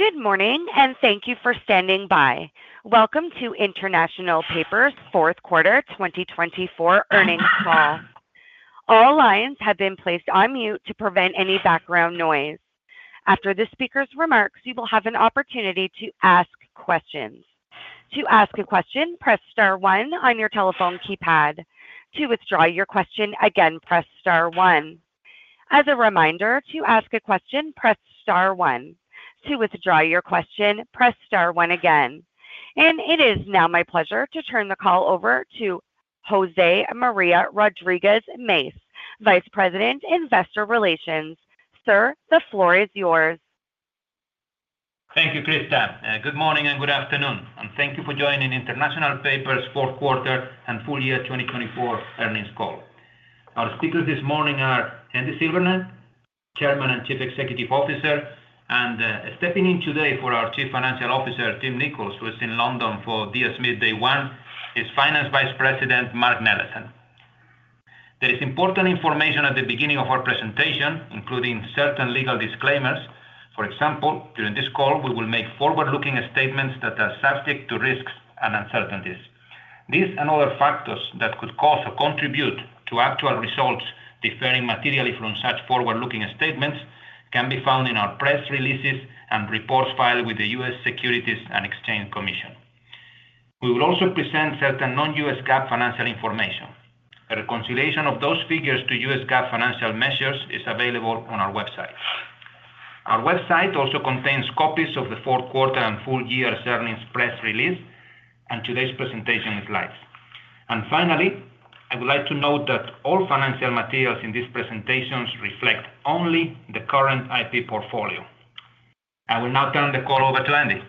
Good morning, and thank you for standing by. Welcome to International Paper's fourth quarter 2024 earnings call. All lines have been placed on mute to prevent any background noise. After the speaker's remarks, you will have an opportunity to ask questions. To ask a question, press star one on your telephone keypad. To withdraw your question again, press star one. As a reminder, to ask a question, press star one. To withdraw your question, press star one again. And it is now my pleasure to turn the call over to José María Rodriguez, Vice President, Investor Relations. Sir, the floor is yours. Thank you, Krista. Good morning and good afternoon. Thank you for joining International Paper's fourth quarter and full year 2024 earnings call. Our speakers this morning are Andy Silvernail, Chairman and Chief Executive Officer, and stepping in today for our Chief Financial Officer, Tim Nicholls, who is in London for DS Smith Day One, is Finance Vice President, Mark Nellessen. There is important information at the beginning of our presentation, including certain legal disclaimers. For example, during this call, we will make forward-looking statements that are subject to risks and uncertainties. This and other factors that could cause or contribute to actual results differing materially from such forward-looking statements can be found in our press releases and reports filed with the U.S. Securities and Exchange Commission. We will also present certain non-U.S. GAAP financial information. A reconciliation of those figures to U.S. GAAP financial measures is available on our website. Our website also contains copies of the fourth quarter and full year's earnings press release and today's presentation slides, and finally, I would like to note that all financial materials in these presentations reflect only the current IP portfolio. I will now turn the call over to Andy.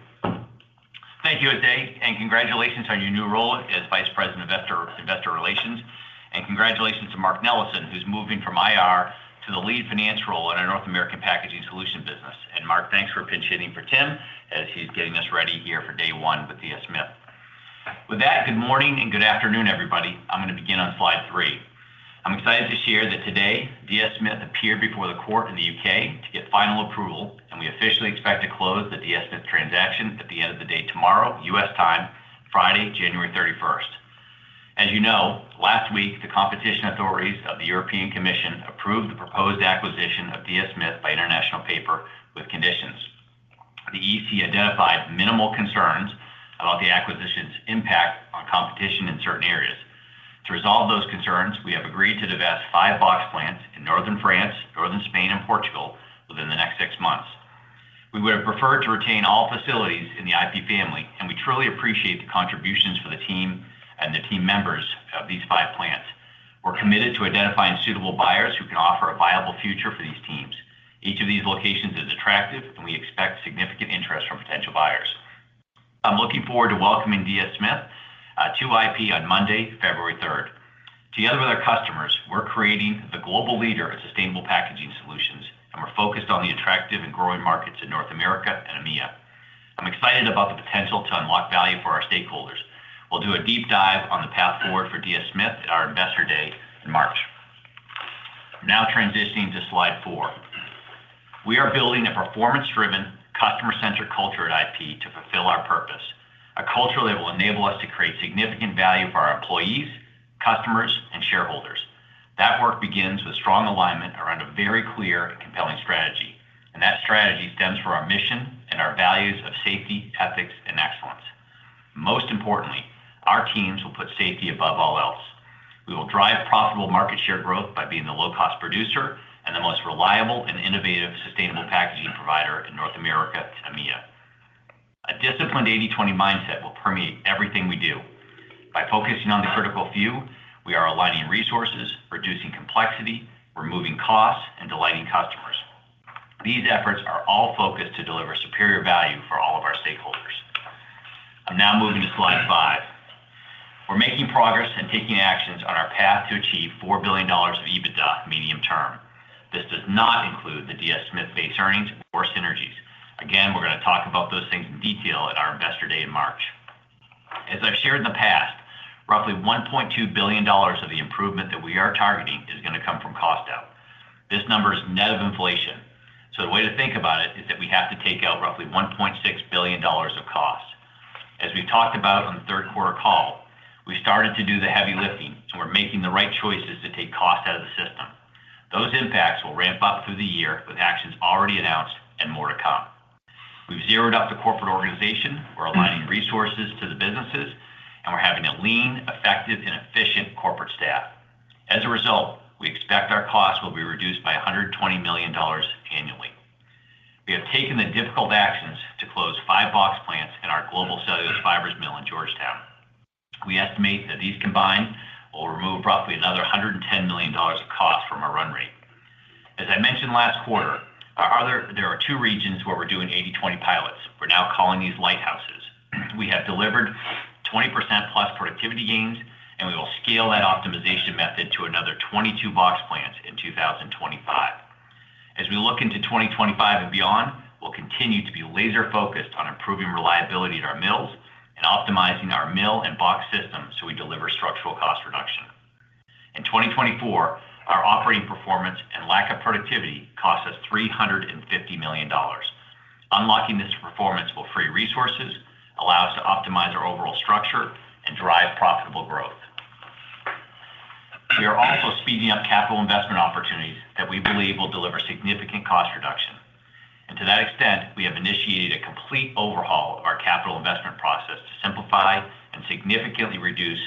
Thank you, José, and congratulations on your new role as Vice President of Investor Relations, and congratulations to Mark Nellessen, who's moving from IR to the lead finance role in our North American Packaging Solution business. And Mark, thanks for pitching for Tim as he's getting us ready here for day one with DS Smith. With that, good morning and good afternoon, everybody. I'm going to begin on slide three. I'm excited to share that today, DS Smith appeared before the court in the U.K. to get final approval, and we officially expect to close the DS Smith transaction at the end of the day tomorrow, U.S. time, Friday, January 31st. As you know, last week, the competition authorities of the European Commission approved the proposed acquisition of DS Smith by International Paper with conditions. The EC identified minimal concerns about the acquisition's impact on competition in certain areas. To resolve those concerns, we have agreed to divest five box plants in northern France, northern Spain, and Portugal within the next six months. We would have preferred to retain all facilities in the IP family, and we truly appreciate the contributions for the team and the team members of these five plants. We're committed to identifying suitable buyers who can offer a viable future for these teams. Each of these locations is attractive, and we expect significant interest from potential buyers. I'm looking forward to welcoming DS Smith to IP on Monday, February 3rd. Together with our customers, we're creating the global leader in sustainable packaging solutions, and we're focused on the attractive and growing markets in North America and EMEA. I'm excited about the potential to unlock value for our stakeholders. We'll do a deep dive on the path forward for DS Smith at our Investor Day in March. Now transitioning to slide four. We are building a performance-driven, customer-centric culture at IP to fulfill our purpose, a culture that will enable us to create significant value for our employees, customers, and shareholders. That work begins with strong alignment around a very clear and compelling strategy, and that strategy stems from our mission and our values of safety, ethics, and excellence. Most importantly, our teams will put safety above all else. We will drive profitable market share growth by being the low-cost producer and the most reliable and innovative sustainable packaging provider in North America to EMEA. A disciplined 80/20 mindset will permeate everything we do. By focusing on the critical few, we are aligning resources, reducing complexity, removing costs, and delighting customers. These efforts are all focused to deliver superior value for all of our stakeholders. I'm now moving to slide five. We're making progress and taking actions on our path to achieve $4 billion of EBITDA medium term. This does not include the DS Smith base earnings or synergies. Again, we're going to talk about those things in detail at our Investor day in March. As I've shared in the past, roughly $1.2 billion of the improvement that we are targeting is going to come from cost out. This number is net of inflation. So the way to think about it is that we have to take out roughly $1.6 billion of costs. As we talked about on the third quarter call, we've started to do the heavy lifting, and we're making the right choices to take costs out of the system. Those impacts will ramp up through the year with actions already announced and more to come. We've zeroed out the corporate organization. We're aligning resources to the businesses, and we're having a lean, effective, and efficient corporate staff. As a result, we expect our costs will be reduced by $120 million annually. We have taken the difficult actions to close five box plants and our Global Cellulose Fibers mill in Georgetown, South Carolina. We estimate that these combined will remove roughly another $110 million of costs from our run rate. As I mentioned last quarter, there are two regions where we're doing 80/20 pilots. We're now calling these lighthouses. We have delivered 20% plus productivity gains, and we will scale that optimization method to another 22 box plants in 2025. As we look into 2025 and beyond, we'll continue to be laser-focused on improving reliability at our mills and optimizing our mill and box systems so we deliver structural cost reduction. In 2024, our operating performance and lack of productivity cost us $350 million. Unlocking this performance will free resources, allow us to optimize our overall structure, and drive profitable growth. We are also speeding up capital investment opportunities that we believe will deliver significant cost reduction. And to that extent, we have initiated a complete overhaul of our capital investment process to simplify and significantly reduce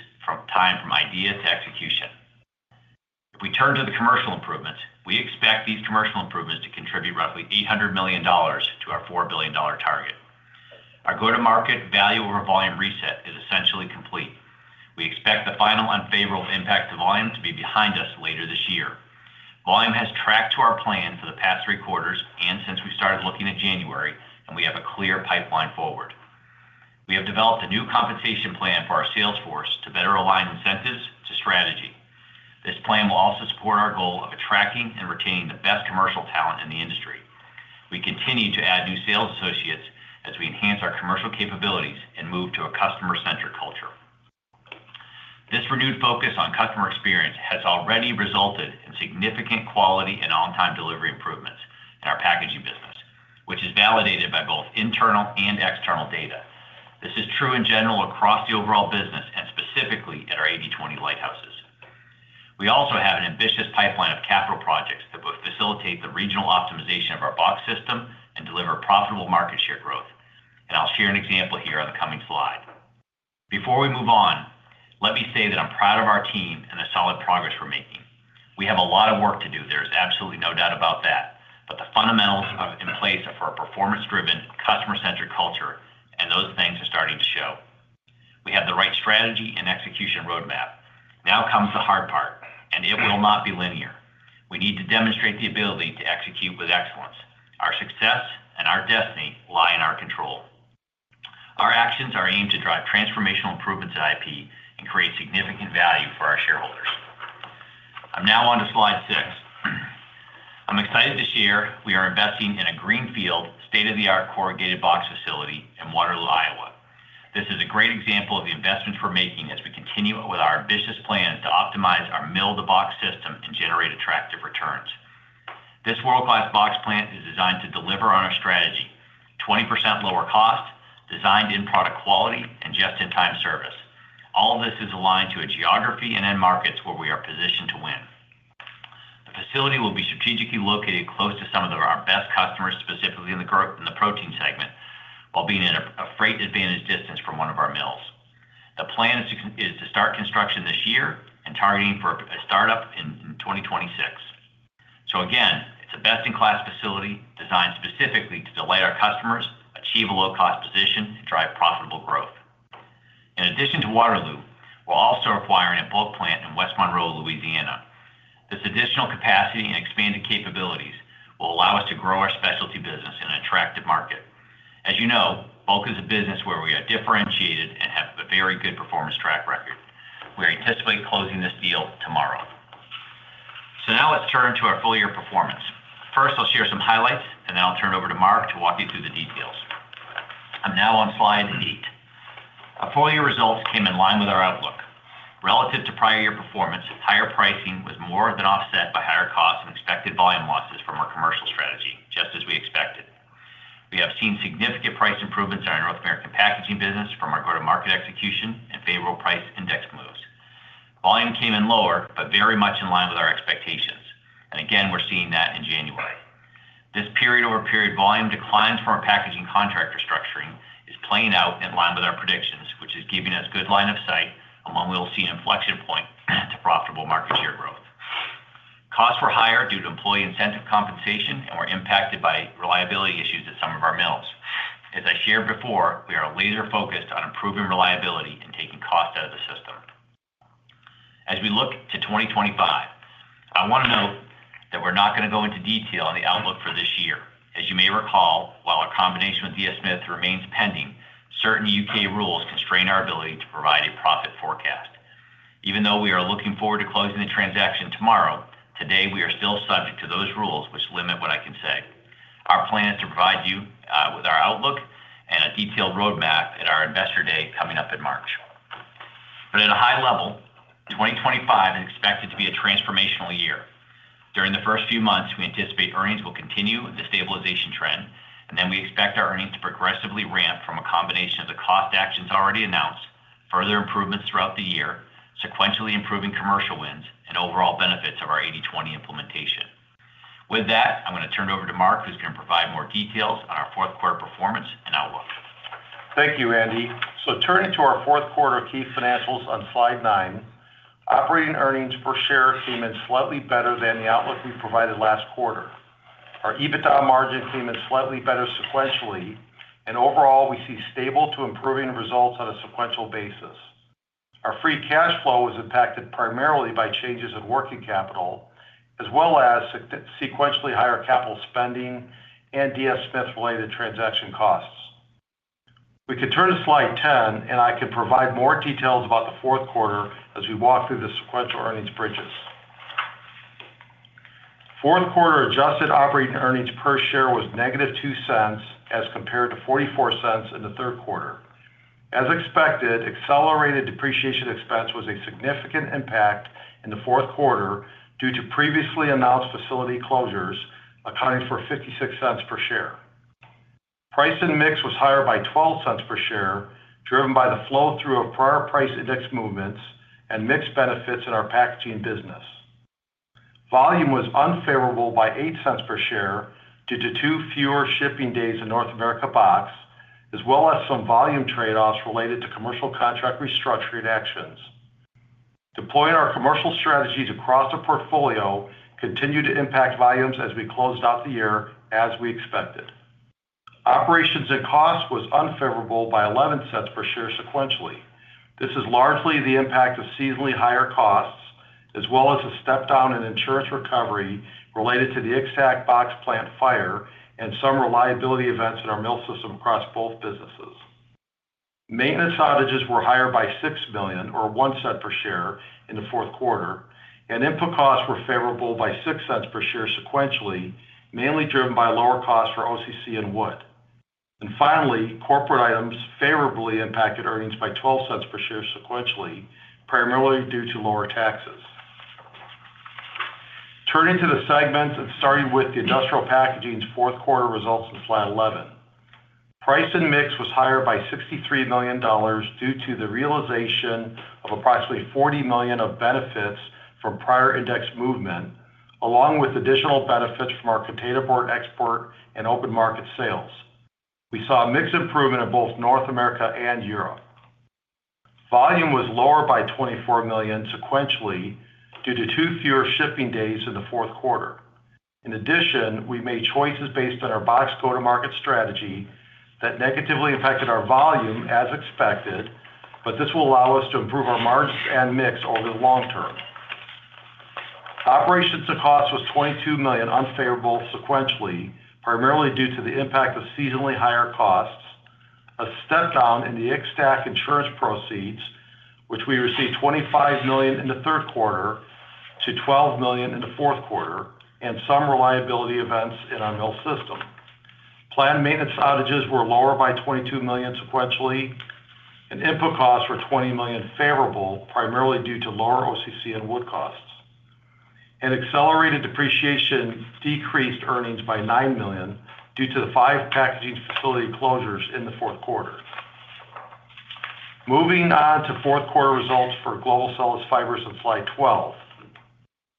time from idea to execution. If we turn to the commercial improvements, we expect these commercial improvements to contribute roughly $800 million to our $4 billion target. Our go-to-market value over volume reset is essentially complete. We expect the final unfavorable impact to volume to be behind us later this year. Volume has tracked to our plan for the past three quarters and since we started looking at January, and we have a clear pipeline forward. We have developed a new compensation plan for our salesforce to better align incentives to strategy. This plan will also support our goal of attracting and retaining the best commercial talent in the industry. We continue to add new sales associates as we enhance our commercial capabilities and move to a customer-centric culture. This renewed focus on customer experience has already resulted in significant quality and on-time delivery improvements in our packaging business, which is validated by both internal and external data. This is true in general across the overall business and specifically at our 80/20 lighthouses. We also have an ambitious pipeline of capital projects that will facilitate the regional optimization of our box system and deliver profitable market share growth. And I'll share an example here on the coming slide. Before we move on, let me say that I'm proud of our team and the solid progress we're making. We have a lot of work to do. There is absolutely no doubt about that. But the fundamentals are in place for a performance-driven, customer-centric culture, and those things are starting to show. We have the right strategy and execution roadmap. Now comes the hard part, and it will not be linear. We need to demonstrate the ability to execute with excellence. Our success and our destiny lie in our control. Our actions are aimed to drive transformational improvements at IP and create significant value for our shareholders. I'm now on to slide six. I'm excited to share we are investing in a greenfield, state-of-the-art corrugated box facility in Waterloo, Iowa. This is a great example of the investments we're making as we continue with our ambitious plans to optimize our mill-to-box system and generate attractive returns. This world-class box plant is designed to deliver on our strategy: 20% lower cost, designed in product quality, and just-in-time service. All of this is aligned to a geography and end markets where we are positioned to win. The facility will be strategically located close to some of our best customers, specifically in the protein segment, while being at a freight advantage distance from one of our mills. The plan is to start construction this year and targeting for a startup in 2026. So again, it's a best-in-class facility designed specifically to delight our customers, achieve a low-cost position, and drive profitable growth. In addition to Waterloo, we're also acquiring a bulk plant in West Monroe, Louisiana. This additional capacity and expanded capabilities will allow us to grow our specialty business in an attractive market. As you know, bulk is a business where we are differentiated and have a very good performance track record. We anticipate closing this deal tomorrow. So now let's turn to our full year performance. First, I'll share some highlights, and then I'll turn it over to Mark to walk you through the details. I'm now on slide eight. Our full year results came in line with our outlook. Relative to prior year performance, higher pricing was more than offset by higher costs and expected volume losses from our commercial strategy, just as we expected. We have seen significant price improvements in our North American packaging business from our go-to-market execution and favorable price index moves. Volume came in lower, but very much in line with our expectations. And again, we're seeing that in January. This period-over-period volume declines from our packaging container restructuring is playing out in line with our predictions, which is giving us good line of sight on when we'll see an inflection point to profitable market share growth. Costs were higher due to employee incentive compensation, and we're impacted by reliability issues at some of our mills. As I shared before, we are laser-focused on improving reliability and taking cost out of the system. As we look to 2025, I want to note that we're not going to go into detail on the outlook for this year. As you may recall, while our combination with DS Smith remains pending, certain U.K. rules constrain our ability to provide a profit forecast. Even though we are looking forward to closing the transaction tomorrow, today we are still subject to those rules, which limit what I can say. Our plan is to provide you with our outlook and a detailed roadmap at our Investor Day coming up in March. But at a high level, 2025 is expected to be a transformational year. During the first few months, we anticipate earnings will continue the stabilization trend, and then we expect our earnings to progressively ramp from a combination of the cost actions already announced, further improvements throughout the year, sequentially improving commercial wins, and overall benefits of our 80/20 implementation. With that, I'm going to turn it over to Mark, who's going to provide more details on our fourth quarter performance and outlook. Thank you, Andy, so turning to our fourth quarter key financials on slide nine, operating earnings per share came in slightly better than the outlook we provided last quarter. Our EBITDA margin came in slightly better sequentially, and overall, we see stable to improving results on a sequential basis. Our free cash flow was impacted primarily by changes in working capital, as well as sequentially higher capital spending and DS Smith-related transaction costs. We can turn to slide ten, and I can provide more details about the fourth quarter as we walk through the sequential earnings bridges. Fourth quarter Adjusted Operating Earnings per share was $-0.02 as compared to $0.44 in the third quarter. As expected, accelerated depreciation expense was a significant impact in the fourth quarter due to previously announced facility closures accounting for $0.56 per share. Price and mix was higher by $0.12 per share, driven by the flow-through of prior price index movements and mix benefits in our packaging business. Volume was unfavorable by $0.08 per share due to two fewer shipping days in North America box, as well as some volume trade-offs related to commercial contract restructuring actions. Deploying our commercial strategies across the portfolio continued to impact volumes as we closed out the year as we expected. Operations and costs were unfavorable by $0.11 per share sequentially. This is largely the impact of seasonally higher costs, as well as a step-down in insurance recovery related to the Waxahachie box plant fire and some reliability events in our mill system across both businesses. Maintenance outages were higher by $6 million, or $0.01 per share in the fourth quarter. Input costs were favorable by $0.06 per share sequentially, mainly driven by lower costs for OCC and wood. Finally, corporate items favorably impacted earnings by $0.12 per share sequentially, primarily due to lower taxes. Turning to the segments and starting with the Industrial Packaging's fourth quarter results on slide 11, price and mix was higher by $63 million due to the realization of approximately $40 million of benefits from prior index movement, along with additional benefits from our containerboard export and open market sales. We saw mix improvement in both North America and Europe. Volume was lower by $24 million sequentially due to two fewer shipping days in the fourth quarter. In addition, we made choices based on our box go-to-market strategy that negatively impacted our volume as expected, but this will allow us to improve our margins and mix over the long term. Operations and costs were $22 million unfavorable sequentially, primarily due to the impact of seasonally higher costs, a step-down in the Waxahachie insurance proceeds, which we received $25 million in the third quarter to $12 million in the fourth quarter, and some reliability events in our mill system. Planned maintenance outages were lower by $22 million sequentially, and input costs were $20 million favorable, primarily due to lower OCC and wood costs, and accelerated depreciation decreased earnings by $9 million due to the five packaging facility closures in the fourth quarter. Moving on to fourth quarter results for Global Cellulose Fibers on slide 12,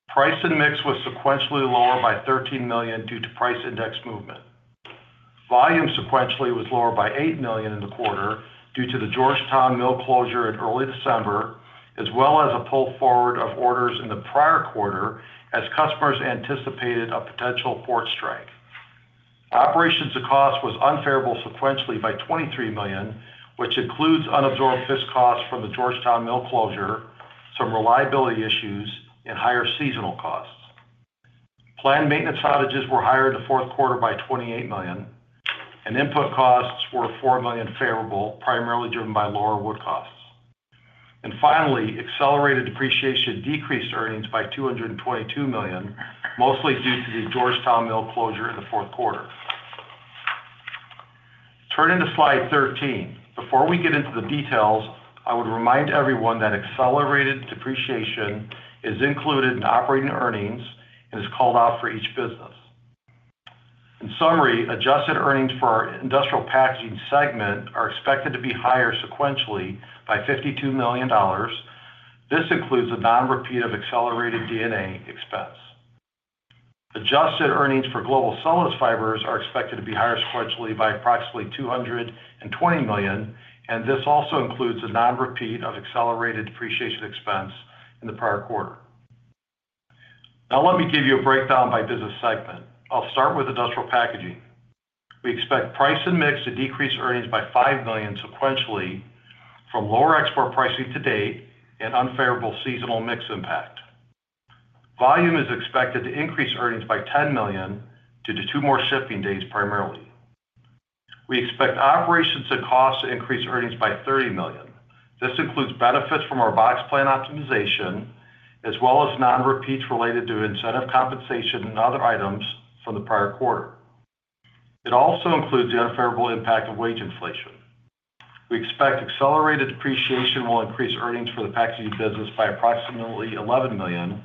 price in mix was sequentially lower by $13 million due to price index movement. Volume sequentially was lower by $8 million in the quarter due to the Georgetown mill closure in early December, as well as a pull forward of orders in the prior quarter as customers anticipated a potential port strike. Operations and costs were unfavorable sequentially by $23 million, which includes unabsorbed fixed costs from the Georgetown mill closure, some reliability issues, and higher seasonal costs. Planned maintenance outages were higher in the fourth quarter by $28 million, and input costs were $4 million favorable, primarily driven by lower wood costs. And finally, accelerated depreciation decreased earnings by $222 million, mostly due to the Georgetown mill closure in the fourth quarter. Turning to slide 13, before we get into the details, I would remind everyone that accelerated depreciation is included in operating earnings and is called out for each business. In summary, adjusted earnings for our Industrial Packaging segment are expected to be higher sequentially by $52 million. This includes the non-repeat of accelerated D&A expense. Adjusted earnings for Global Cellulose Fibers are expected to be higher sequentially by approximately $220 million, and this also includes the non-repeat of accelerated depreciation expense in the prior quarter. Now let me give you a breakdown by business segment. I'll start with Industrial Packaging. We expect price and mix to decrease earnings by $5 million sequentially from lower export pricing to date and unfavorable seasonal mix impact. Volume is expected to increase earnings by $10 million due to two more shipping days, primarily. We expect operations and costs to increase earnings by $30 million. This includes benefits from our box plant optimization, as well as non-repeats related to incentive compensation and other items from the prior quarter. It also includes the unfavorable impact of wage inflation. We expect accelerated depreciation will increase earnings for the packaging business by approximately $11 million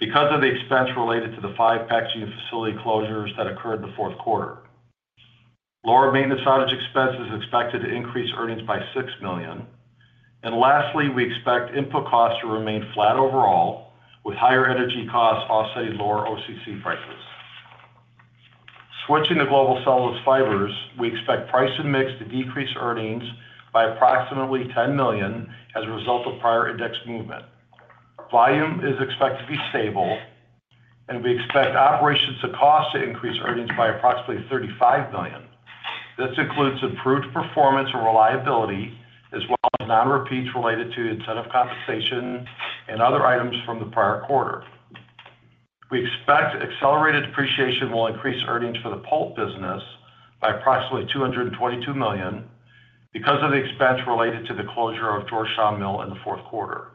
because of the expense related to the five packaging facility closures that occurred in the fourth quarter. Lower maintenance outage expense is expected to increase earnings by $6 million. And lastly, we expect input costs to remain flat overall, with higher energy costs offsetting lower OCC prices. Switching to Global Cellulose Fibers, we expect price in mix to decrease earnings by approximately $10 million as a result of prior index movement. Volume is expected to be stable, and we expect operations and costs to increase earnings by approximately $35 million. This includes improved performance and reliability, as well as non-repeats related to incentive compensation and other items from the prior quarter. We expect accelerated depreciation will increase earnings for the pulp business by approximately $222 million because of the expense related to the closure of Georgetown mill in the fourth quarter.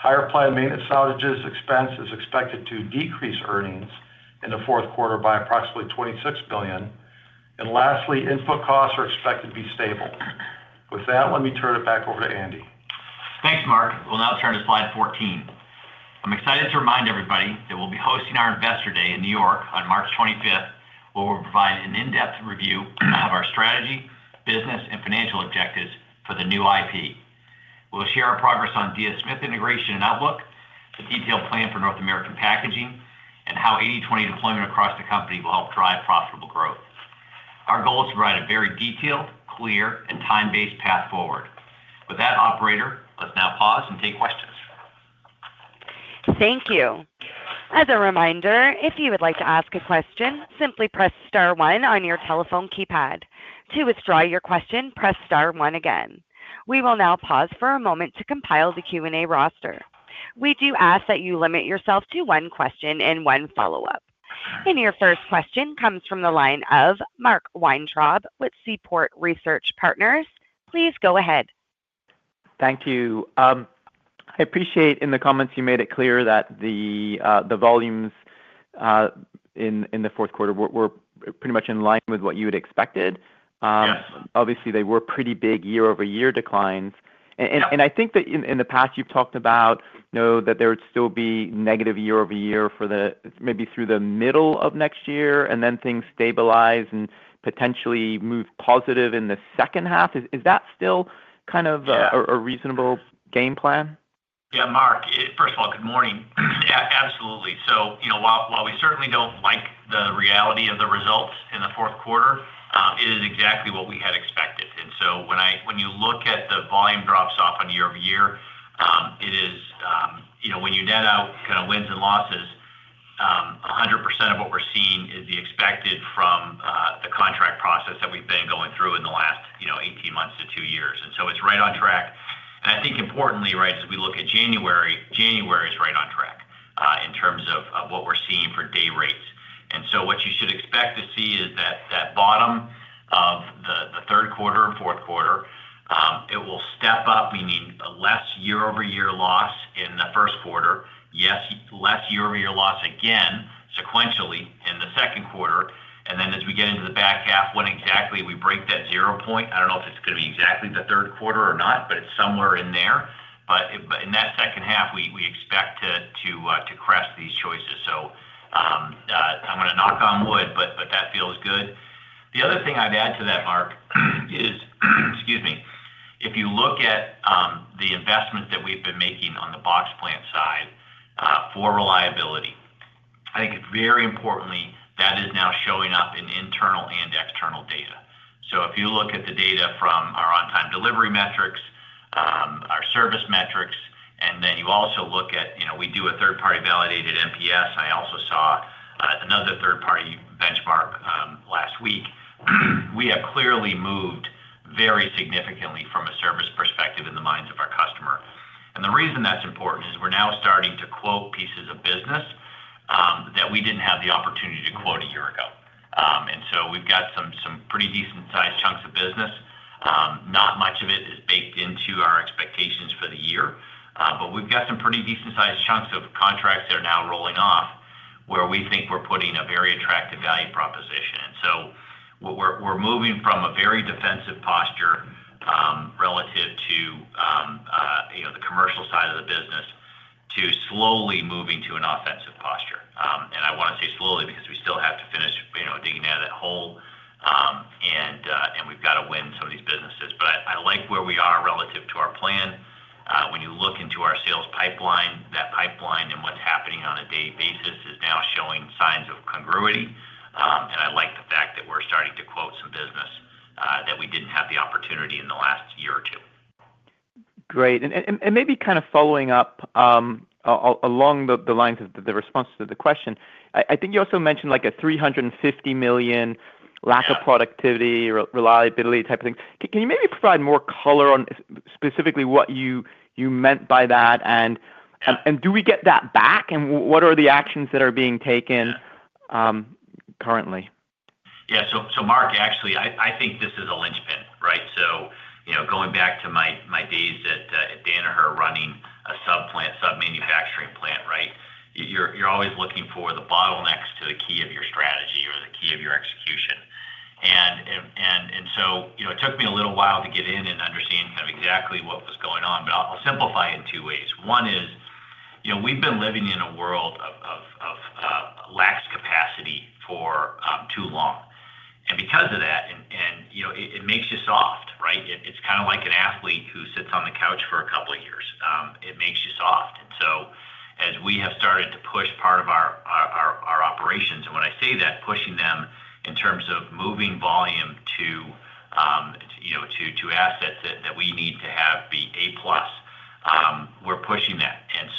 Higher planned maintenance outages expense is expected to decrease earnings in the fourth quarter by approximately $26 million, and lastly, input costs are expected to be stable. With that, let me turn it back over to Andy. Thanks, Mark. We'll now turn to slide 14. I'm excited to remind everybody that we'll be hosting our Investor Day in New York on March 25th, where we'll provide an in-depth review of our strategy, business, and financial objectives for the new IP. We'll share our progress on DS Smith integration and outlook, the detailed plan for North American packaging, and how 80/20 deployment across the company will help drive profitable growth. Our goal is to provide a very detailed, clear, and time-based path forward. With that, Operator, let's now pause and take questions. Thank you. As a reminder, if you would like to ask a question, simply press star one on your telephone keypad. To withdraw your question, press star one again. We will now pause for a moment to compile the Q&A roster. We do ask that you limit yourself to one question and one follow-up. And your first question comes from the line of Mark Weintraub with Seaport Research Partners. Please go ahead. Thank you. I appreciate in the comments you made it clear that the volumes in the fourth quarter were pretty much in line with what you had expected. Obviously, they were pretty big year-over-year declines. I think that in the past, you've talked about that there would still be negative year-over-year for the maybe through the middle of next year, and then things stabilize and potentially move positive in the second half. Is that still kind of a reasonable game plan? Yeah, Mark. First of all, good morning. Absolutely. So while we certainly don't like the reality of the results in the fourth quarter, it is exactly what we had expected. And so when you look at the volume drops off on year-over-year, it is, when you net out kind of wins and losses, 100% of what we're seeing is the expected from the contract process that we've been going through in the last 18 months to two years. And so it's right on track. And I think importantly, right, as we look at January. January is right on track in terms of what we're seeing for day rates. And so what you should expect to see is that bottom of the third quarter and fourth quarter. It will step up. We need less year-over-year loss in the first quarter. Yes, less year-over-year loss again sequentially in the second quarter. And then as we get into the back half, when exactly we break that zero point, I don't know if it's going to be exactly the third quarter or not, but it's somewhere in there. But in that second half, we expect to crest these choices. So I'm going to knock on wood, but that feels good. The other thing I'd add to that, Mark, is, excuse me, if you look at the investment that we've been making on the box plant side for reliability, I think very importantly, that is now showing up in internal and external data. So if you look at the data from our on-time delivery metrics, our service metrics, and then you also look at we do a third-party validated NPS. I also saw another third-party benchmark last week. We have clearly moved very significantly from a service perspective in the minds of our customer. And the reason that's important is we're now starting to quote pieces of business that we didn't have the opportunity to quote a year ago. And so we've got some pretty decent-sized chunks of business. Not much of it is baked into our expectations for the year, but we've got some pretty decent-sized chunks of contracts that are now rolling off where we think we're putting a very attractive value proposition. And so we're moving from a very defensive posture relative to the commercial side of the business to slowly moving to an offensive posture. And I want to say slowly because we still have to finish digging out of that hole, and we've got to win some of these businesses. But I like where we are relative to our plan. When you look into our sales pipeline, that pipeline and what's happening on a daily basis is now showing signs of congruity. And I like the fact that we're starting to quote some business that we didn't have the opportunity in the last year or two. Great. Maybe kind of following up along the lines of the response to the question, I think you also mentioned a $350 million lack of productivity or reliability type of thing. Can you maybe provide more color on specifically what you meant by that? Do we get that back? What are the actions that are being taken currently? Yeah. Mark, actually, I think this is a linchpin, right? Going back to my days at Danaher running a subplant, sub-manufacturing plant, right, you're always looking for the bottlenecks to the key of your strategy or the key of your execution. It took me a little while to get in and understand kind of exactly what was going on, but I'll simplify it in two ways. One is we've been living in a world of lax capacity for too long. And because of that, it makes you soft, right? It's kind of like an athlete who sits on the couch for a couple of years. It makes you soft. And so as we have started to push part of our operations, and when I say that, pushing them in terms of moving volume to assets that we need to have be A-plus, we're pushing that. And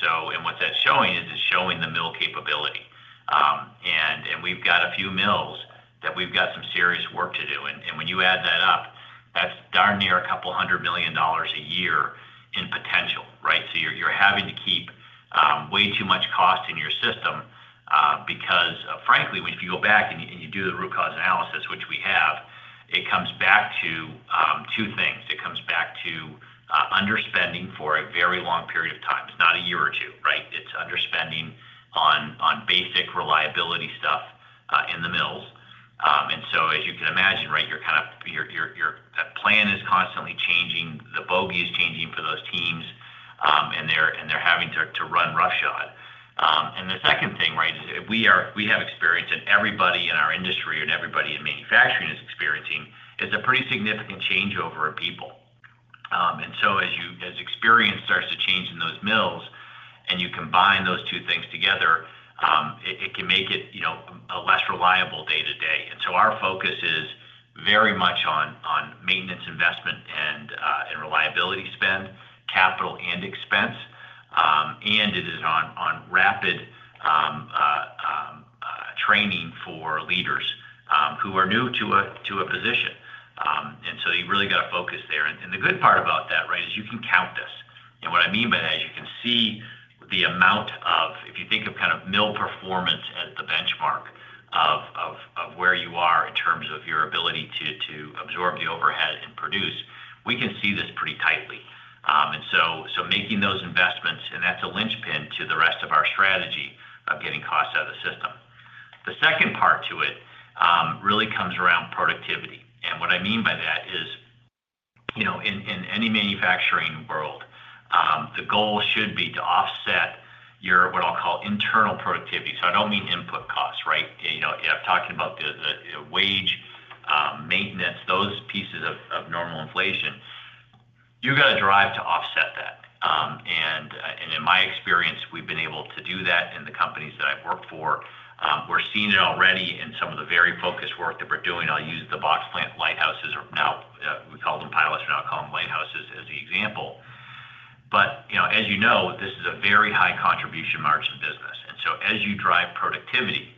what that's showing is it's showing the mill capability. And we've got a few mills that we've got some serious work to do. And when you add that up, that's darn near $200 million a year in potential, right? So you're having to keep way too much cost in your system because, frankly, when you go back and you do the root cause analysis, which we have, it comes back to two things. It comes back to underspending for a very long period of time. It's not a year or two, right? It's underspending on basic reliability stuff in the mills. And so as you can imagine, right, your plan is constantly changing. The bogey is changing for those teams, and they're having to run roughshod. And the second thing, right, we have experience, and everybody in our industry and everybody in manufacturing is experiencing a pretty significant changeover in people. And so as experience starts to change in those mills and you combine those two things together, it can make it a less reliable day-to-day. And so our focus is very much on maintenance investment and reliability spend, capital and expense. And it is on rapid training for leaders who are new to a position. And so you really got to focus there. And the good part about that, right, is you can count this. And what I mean by that is you can see the amount of, if you think of kind of mill performance as the benchmark of where you are in terms of your ability to absorb the overhead and produce, we can see this pretty tightly. And so making those investments, and that's a linchpin to the rest of our strategy of getting costs out of the system. The second part to it really comes around productivity. And what I mean by that is in any manufacturing world, the goal should be to offset your what I'll call internal productivity. So I don't mean input costs, right? I'm talking about the wage, maintenance, those pieces of normal inflation. You've got to drive to offset that. And in my experience, we've been able to do that in the companies that I've worked for. We're seeing it already in some of the very focused work that we're doing. I'll use the box plant lighthouses now. We call them pilots. We're now calling them lighthouses as an example. But as you know, this is a very high contribution margin business. And so as you drive productivity,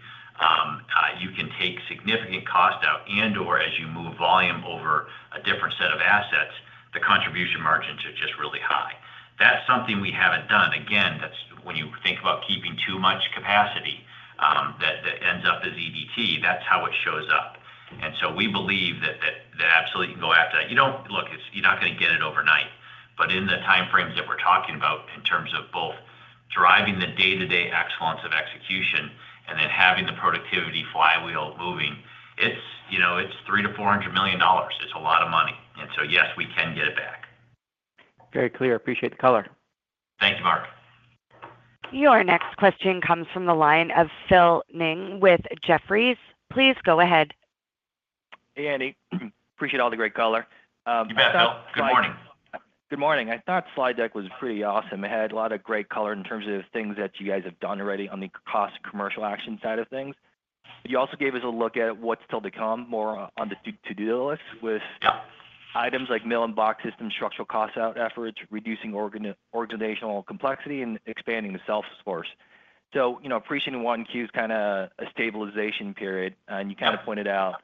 you can take significant cost out and/or as you move volume over a different set of assets, the contribution margins are just really high. That's something we haven't done. Again, when you think about keeping too much capacity that ends up as EBITDA, that's how it shows up. And so we believe that absolutely you can go after that. Look, you're not going to get it overnight. But in the timeframes that we're talking about in terms of both driving the day-to-day excellence of execution and then having the productivity flywheel moving, it's $3 million-$400 million. It's a lot of money. And so yes, we can get it back. Very clear. Appreciate the color. Thank you, Mark. Your next question comes from the line of Phil Ng with Jefferies. Please go ahead. Hey, Andy. Appreciate all the great color. You bet, Phil. Good morning. Good morning. I thought slide deck was pretty awesome. It had a lot of great color in terms of things that you guys have done already on the cost commercial action side of things. You also gave us a look at what's still to come more on the to-do list with items like mill and box system structural cost efforts, reducing organizational complexity, and expanding the sales force. So, appreciating 1Q is kind of a stabilization period. And you kind of pointed out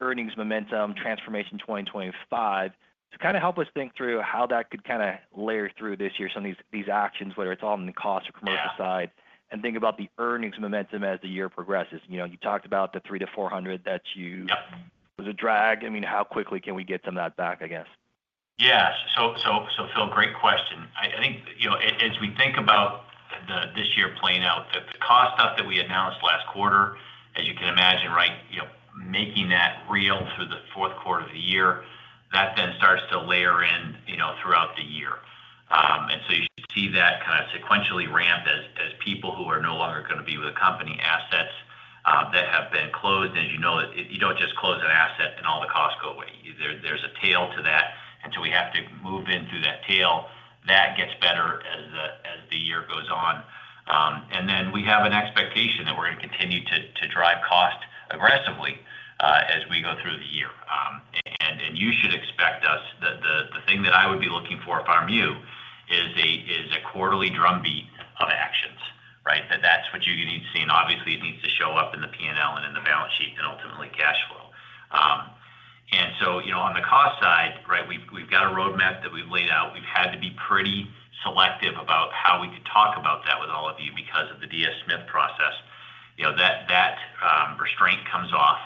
earnings momentum, Transformation 2025. So kind of help us think through how that could kind of layer through this year, some of these actions, whether it's on the cost or commercial side, and think about the earnings momentum as the year progresses. You talked about the $3 million-$400 million that you was a drag. I mean, how quickly can we get some of that back, I guess Yeah. So Phil, great question. I think as we think about this year playing out, the cost stuff that we announced last quarter, as you can imagine, right, making that real through the fourth quarter of the year, that then starts to layer in throughout the year. And so you should see that kind of sequentially ramp as people who are no longer going to be with the company assets that have been closed. And as you know, you don't just close an asset and all the costs go away. There's a tail to that. And so we have to move in through that tail. That gets better as the year goes on. And then we have an expectation that we're going to continue to drive cost aggressively as we go through the year. And you should expect us that the thing that I would be looking for from you is a quarterly drumbeat of actions, right? That's what you need to see. And obviously, it needs to show up in the P&L and in the balance sheet and ultimately cash flow. And so on the cost side, right, we've got a roadmap that we've laid out. We've had to be pretty selective about how we could talk about that with all of you because of the DS Smith process. That restraint comes off,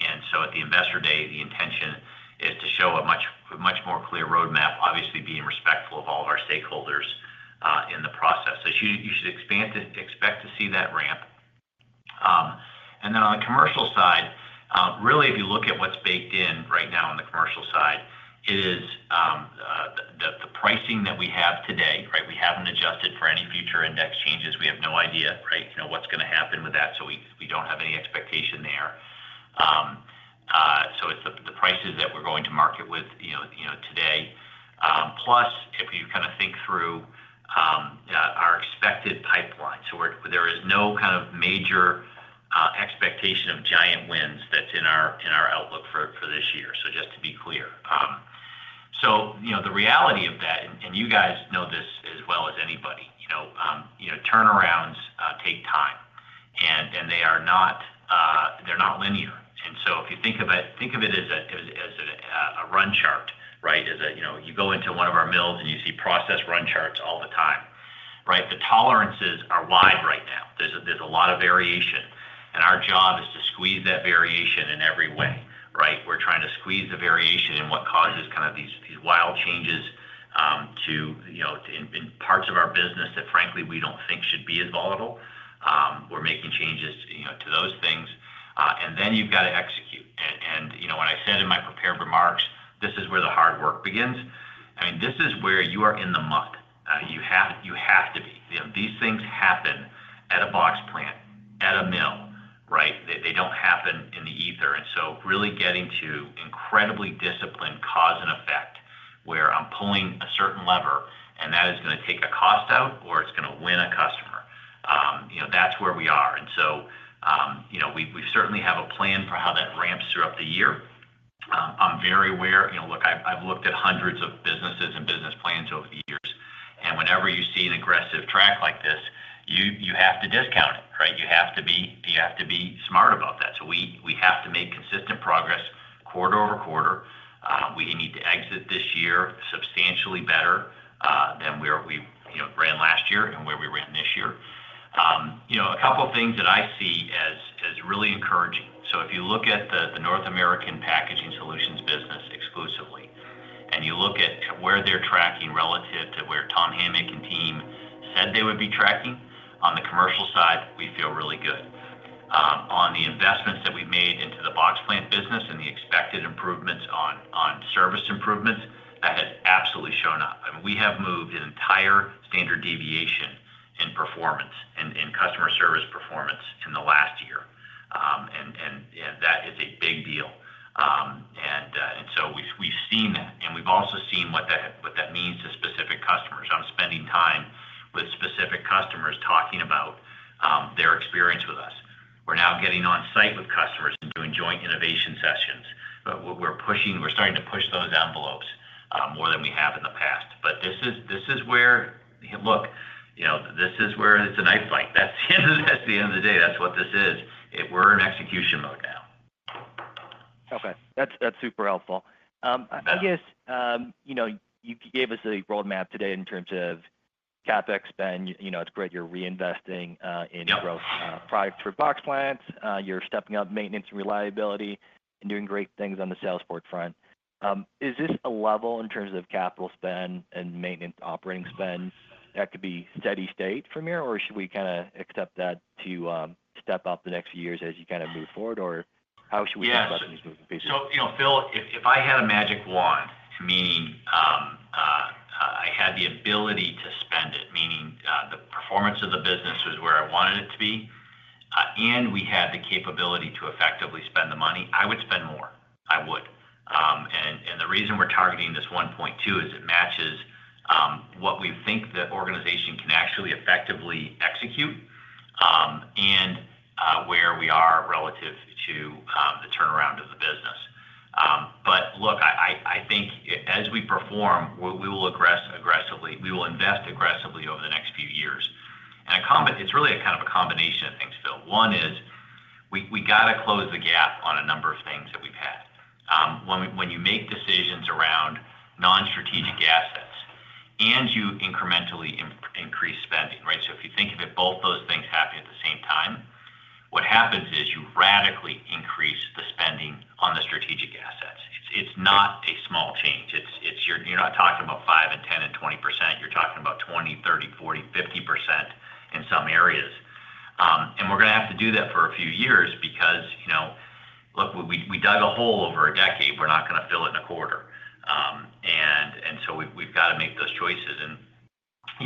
and so at the Investor Day, the intention is to show a much more clear roadmap, obviously being respectful of all of our stakeholders in the process, so you should expect to see that ramp, and then on the commercial side, really, if you look at what's baked in right now on the commercial side, it is the pricing that we have today, right? We haven't adjusted for any future index changes. We have no idea, right, what's going to happen with that, so we don't have any expectation there, so it's the prices that we're going to market with today. Plus, if you kind of think through our expected pipeline. So there is no kind of major expectation of giant wins that's in our outlook for this year, so just to be clear. So the reality of that, and you guys know this as well as anybody, turnarounds take time. And they are not linear. And so if you think of it as a run chart, right, as you go into one of our mills and you see process run charts all the time, right, the tolerances are wide right now. There's a lot of variation. And our job is to squeeze that variation in every way, right? We're trying to squeeze the variation in what causes kind of these wild changes in parts of our business that, frankly, we don't think should be as volatile. We're making changes to those things. And then you've got to execute. And when I said in my prepared remarks, this is where the hard work begins. I mean, this is where you are in the mud. You have to be. These things happen at a box plant, at a mill, right? They don't happen in the ether. And so really getting to incredibly disciplined cause and effect where I'm pulling a certain lever, and that is going to take a cost out or it's going to win a customer. That's where we are. And so we certainly have a plan for how that ramps throughout the year. I'm very aware. Look, I've looked at hundreds of businesses and business plans over the years. And whenever you see an aggressive track like this, you have to discount it, right? You have to be smart about that. So we have to make consistent progress quarter-over-quarter. We need to exit this year substantially better than we ran last year and where we ran this year. A couple of things that I see as really encouraging. So if you look at the North American Packaging Solutions business exclusively, and you look at where they're tracking relative to where Tom Hamic and team said they would be tracking, on the commercial side, we feel really good. On the investments that we've made into the box plant business and the expected improvements on service improvements, that has absolutely shown up. And we have moved an entire standard deviation in performance and customer service performance in the last year. And that is a big deal. And so we've seen that. And we've also seen what that means to specific customers. I'm spending time with specific customers talking about their experience with us. We're now getting on site with customers and doing joint innovation sessions. But we're starting to push those envelopes more than we have in the past. But this is where look, this is where it's a knife fight. That's the end of the day. That's what this is. We're in execution mode now. Okay. That's super helpful. I guess you gave us a roadmap today in terms of CapEx spend. It's great you're reinvesting in growth products for box plants. You're stepping up maintenance and reliability and doing great things on the sales force front. Is this a level in terms of capital spend and maintenance operating spend that could be steady state from here? Or should we kind of accept that to step up the next few years as you kind of move forward? Or how should we think about these moving pieces? Phil, if I had a magic wand, meaning I had the ability to spend it, meaning the performance of the business was where I wanted it to be, and we had the capability to effectively spend the money, I would spend more. I would. The reason we're targeting this $1.2 billion is it matches what we think the organization can actually effectively execute and where we are relative to the turnaround of the business. But look, I think as we perform, we will invest aggressively over the next few years. It's really kind of a combination of things, Phil. One is we got to close the gap on a number of things that we've had. When you make decisions around non-strategic assets and you incrementally increase spending, right? So if you think of it, both those things happen at the same time, what happens is you radically increase the spending on the strategic assets. It's not a small change. You're not talking about 5% and 10% and 20%. You're talking about 20%, 30%, 40%, 50% in some areas. And we're going to have to do that for a few years because, look, we dug a hole over a decade. We're not going to fill it in a quarter. And so we've got to make those choices. And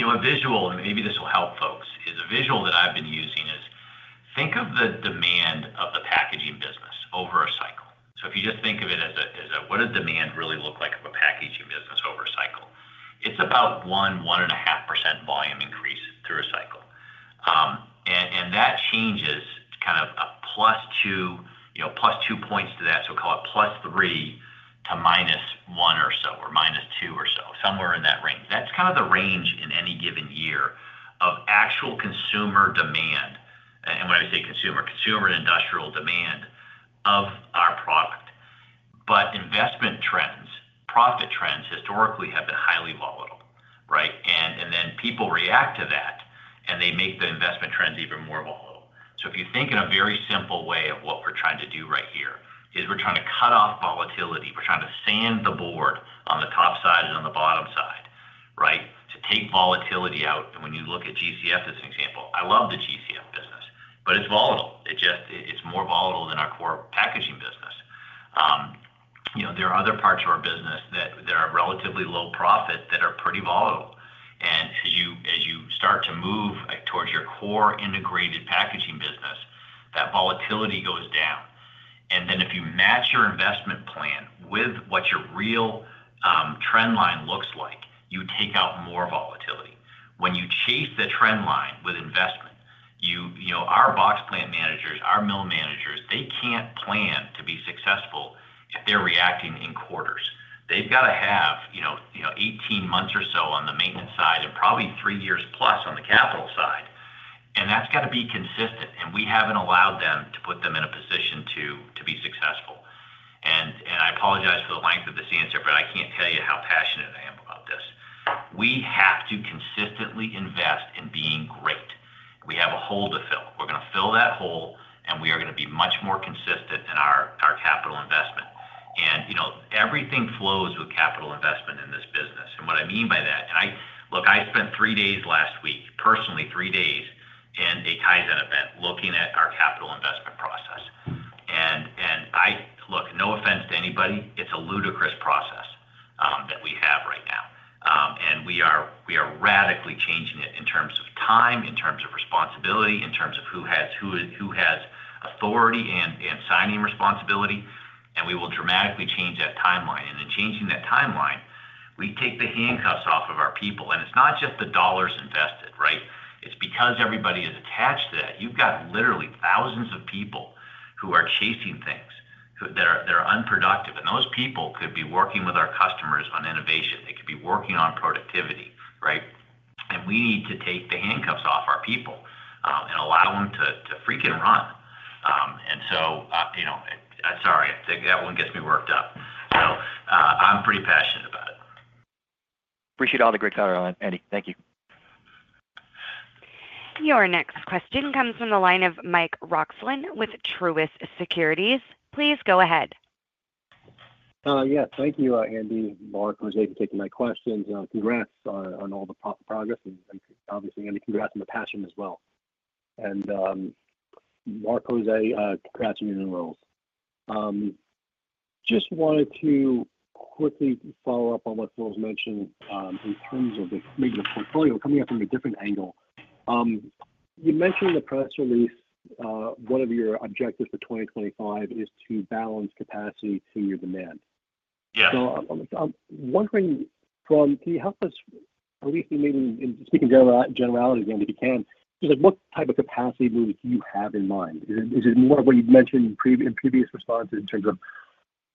a visual, and maybe this will help folks, is a visual that I've been using is think of the demand of the packaging business over a cycle. So if you just think of it as a what does demand really look like of a packaging business over a cycle? It's about one, 1.5% volume increase through a cycle. And that changes kind of a +2 points to that, so we call it +3 to -1 or so or -2 or so, somewhere in that range. That's kind of the range in any given year of actual consumer demand. And when I say consumer, consumer and industrial demand of our product. But investment trends, profit trends historically have been highly volatile, right? And then people react to that, and they make the investment trends even more volatile. So if you think in a very simple way of what we're trying to do right here is we're trying to cut off volatility. We're trying to sand the board on the top side and on the bottom side, right, to take volatility out. And when you look at GCF as an example, I love the GCF business, but it's volatile. It's more volatile than our core packaging business. There are other parts of our business that are relatively low profit that are pretty volatile. And as you start to move towards your core integrated packaging business, that volatility goes down. And then if you match your investment plan with what your real trend line looks like, you take out more volatility. When you chase the trend line with investment, our box plant managers, our mill managers, they can't plan to be successful if they're reacting in quarters. They've got to have 18 months or so on the maintenance side and probably three years plus on the capital side. And that's got to be consistent. And we haven't allowed them to put them in a position to be successful. And I apologize for the length of this answer, but I can't tell you how passionate I am about this. We have to consistently invest in being great. We have a hole to fill. We're going to fill that hole, and we are going to be much more consistent in our capital investment, and everything flows with capital investment in this business, and what I mean by that, look, I spent three days last week, personally three days in a Kaizen event looking at our capital investment process, and look, no offense to anybody, it's a ludicrous process that we have right now, and we are radically changing it in terms of time, in terms of responsibility, in terms of who has authority and signing responsibility, and we will dramatically change that timeline, and in changing that timeline, we take the handcuffs off of our people, and it's not just the dollars invested, right? It's because everybody is attached to that. You've got literally thousands of people who are chasing things that are unproductive. And those people could be working with our customers on innovation. They could be working on productivity, right? And we need to take the handcuffs off our people and allow them to freaking run. And so sorry, that one gets me worked up. So I'm pretty passionate about it. Appreciate all the great talk, Andy. Thank you. Your next question comes from the line of Mike Roxland with Truist Securities. Please go ahead. Yeah. Thank you, Andy, Mark, José for taking my questions. Congrats on all the progress. And obviously, Andy, congrats on the passion as well. And Mark, José, congrats on your new roles. Just wanted to quickly follow up on what Phil's mentioned in terms of maybe the portfolio coming up from a different angle. You mentioned in the press release one of your objectives for 2025 is to balance capacity to your demand. So I'm wondering, can you help us, at least maybe speaking generally again, if you can, just what type of capacity move do you have in mind? Is it more of what you've mentioned in previous responses in terms of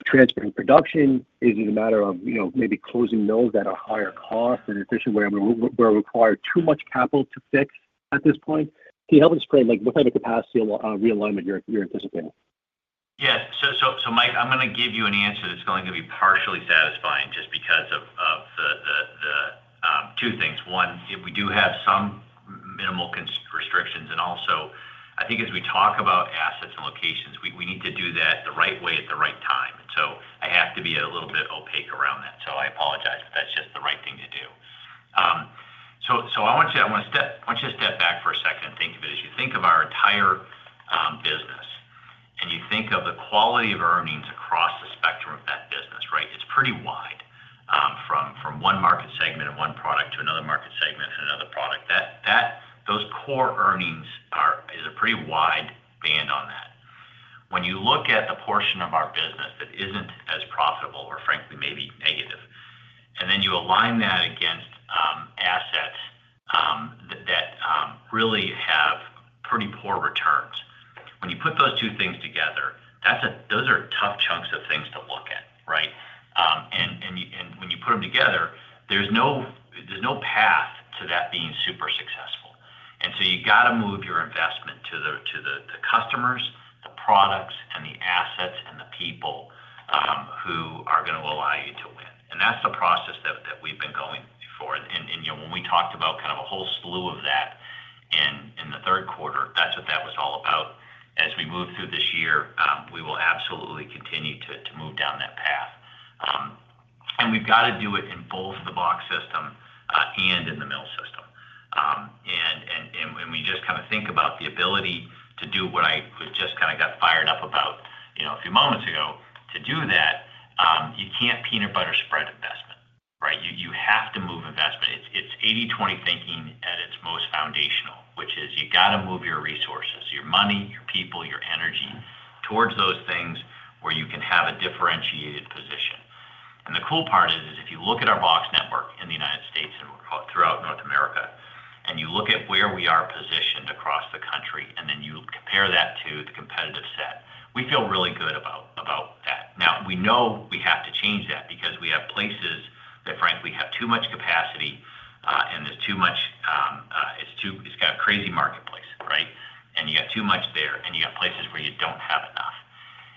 transferring production? Is it a matter of maybe closing mills that are higher cost and efficient where we require too much capital to fix at this point? Can you help us frame what type of capacity realignment you're anticipating? Yeah. So Mike, I'm going to give you an answer that's going to be partially satisfying just because of the two things. One, we do have some minimal restrictions. And also, I think as we talk about assets and locations, we need to do that the right way at the right time. And so I have to be a little bit opaque around that. So I apologize, but that's just the right thing to do. So I want you to step back for a second and think of it as you think of our entire business and you think of the quality of earnings across the spectrum of that business, right? It's pretty wide from one market segment and one product to another market segment and another product. Those core earnings is a pretty wide band on that. When you look at the portion of our business that isn't as profitable or, frankly, maybe negative, and then you align that against assets that really have pretty poor returns, when you put those two things together, those are tough chunks of things to look at, right? And when you put them together, there's no path to that being super successful. And so you got to move your investment to the customers, the products, and the assets and the people who are going to allow you to win. And that's the process that we've been going for. And when we talked about kind of a whole slew of that in the third quarter, that's what that was all about. As we move through this year, we will absolutely continue to move down that path. And we've got to do it in both the box system and in the mill system. And when we just kind of think about the ability to do what I just kind of got fired up about a few moments ago to do that, you can't peanut butter spread investment, right? You have to move investment. It's 80/20 thinking at its most foundational, which is you got to move your resources, your money, your people, your energy towards those things where you can have a differentiated position. And the cool part is if you look at our box network in the United States and throughout North America, and you look at where we are positioned across the country, and then you compare that to the competitive set, we feel really good about that. Now, we know we have to change that because we have places that, frankly, have too much capacity, and there's too much. It's got a crazy marketplace, right? And you have too much there, and you have places where you don't have enough.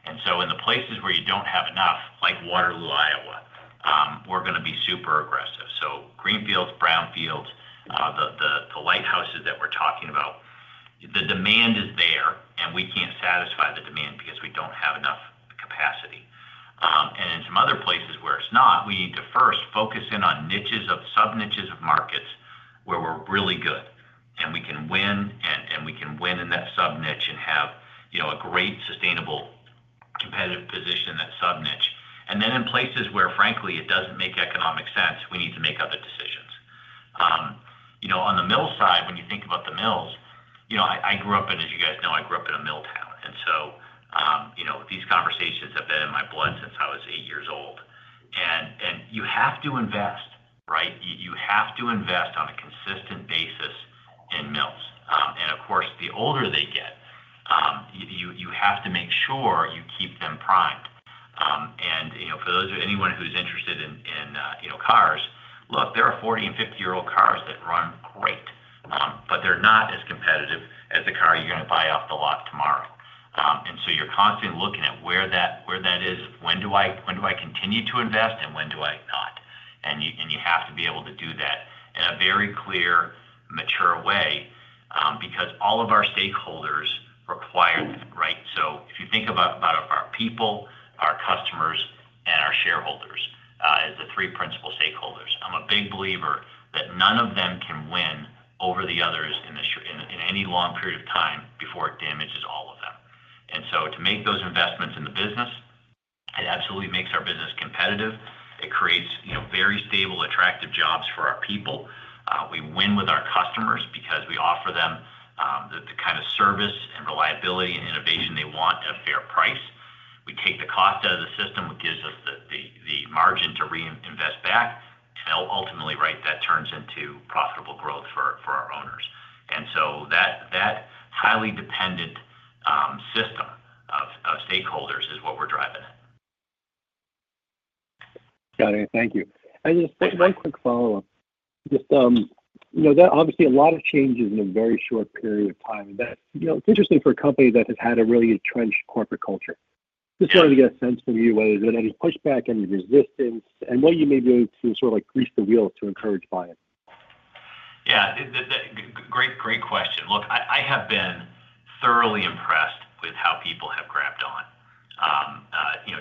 And so in the places where you don't have enough, like Waterloo, Iowa, we're going to be super aggressive. Greenfields, brownfields, the lighthouses that we're talking about. The demand is there, and we can't satisfy the demand because we don't have enough capacity. In some other places where it's not, we need to first focus in on niches of sub-niches of markets where we're really good. We can win, and we can win in that sub-niche and have a great sustainable competitive position in that sub-niche. Then in places where, frankly, it doesn't make economic sense, we need to make other decisions. On the mill side, when you think about the mills, I grew up in, as you guys know, I grew up in a mill town. These conversations have been in my blood since I was eight years old. You have to invest, right? You have to invest on a consistent basis in mills. Of course, the older they get, you have to make sure you keep them primed. For anyone who's interested in cars, look, there are 40-50 year-old cars that run great, but they're not as competitive as the car you're going to buy off the lot tomorrow. You're constantly looking at where that is, when do I continue to invest, and when do I not. You have to be able to do that in a very clear, mature way because all of our stakeholders require that, right? If you think about our people, our customers, and our shareholders as the three principal stakeholders, I'm a big believer that none of them can win over the others in any long period of time before it damages all of them. To make those investments in the business, it absolutely makes our business competitive. It creates very stable, attractive jobs for our people. We win with our customers because we offer them the kind of service and reliability and innovation they want at a fair price. We take the cost out of the system, which gives us the margin to reinvest back. And ultimately, right, that turns into profitable growth for our owners. And so that highly dependent system of stakeholders is what we're driving it. Got it. Thank you. And just one quick follow-up. Just that obviously a lot of changes in a very short period of time. It's interesting for a company that has had a really entrenched corporate culture. Just wanted to get a sense from you whether there's any pushback, any resistance, and what you may be able to sort of grease the wheels to encourage buying. Yeah. Great question. Look, I have been thoroughly impressed with how people have grabbed on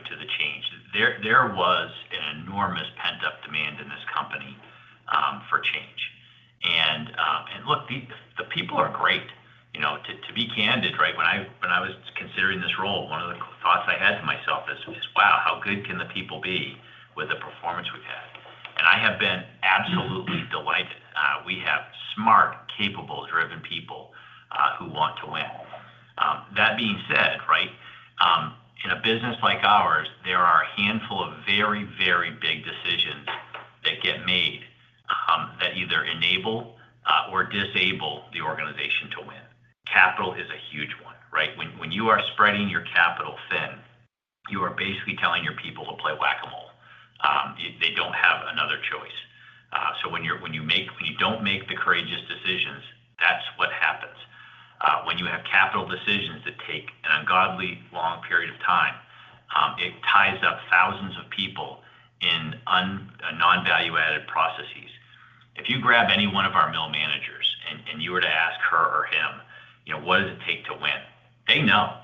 to the change. There was an enormous pent-up demand in this company for change. And look, the people are great. To be candid, right, when I was considering this role, one of the thoughts I had to myself is, wow, how good can the people be with the performance we've had? And I have been absolutely delighted. We have smart, capable, driven people who want to win. That being said, right, in a business like ours, there are a handful of very, very big decisions that get made that either enable or disable the organization to win. Capital is a huge one, right? When you are spreading your capital thin, you are basically telling your people to play whack-a-mole. They don't have another choice. So when you don't make the courageous decisions, that's what happens. When you have capital decisions that take an ungodly long period of time, it ties up thousands of people in non-value-added processes. If you grab any one of our mill managers and you were to ask her or him, what does it take to win? They know.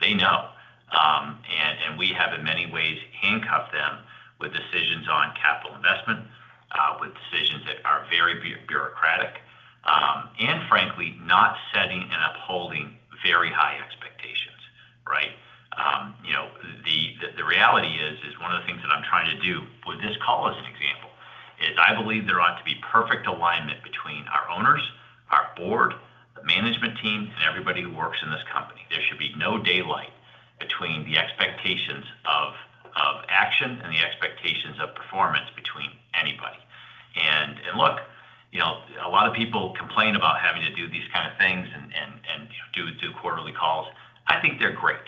They know. And we have, in many ways, handcuffed them with decisions on capital investment, with decisions that are very bureaucratic, and frankly, not setting and upholding very high expectations, right? The reality is, one of the things that I'm trying to do with this call as an example is I believe there ought to be perfect alignment between our owners, our board, the management team, and everybody who works in this company. There should be no daylight between the expectations of action and the expectations of performance between anybody. And look, a lot of people complain about having to do these kinds of things and do quarterly calls. I think they're great.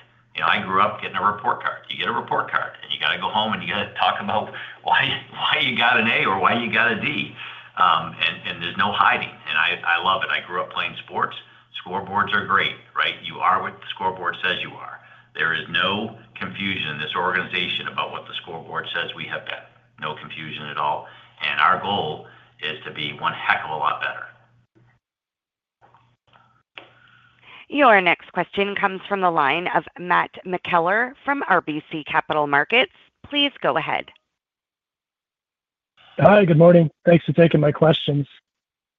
I grew up getting a report card. You get a report card, and you got to go home, and you got to talk about why you got an A or why you got a D. And there's no hiding. And I love it. I grew up playing sports. Scoreboards are great, right? You are what the scoreboard says you are. There is no confusion in this organization about what the scoreboard says we have been. No confusion at all. And our goal is to be one heck of a lot better. Your next question comes from the line of Matt McKellar from RBC Capital Markets. Please go ahead. Hi. Good morning. Thanks for taking my questions.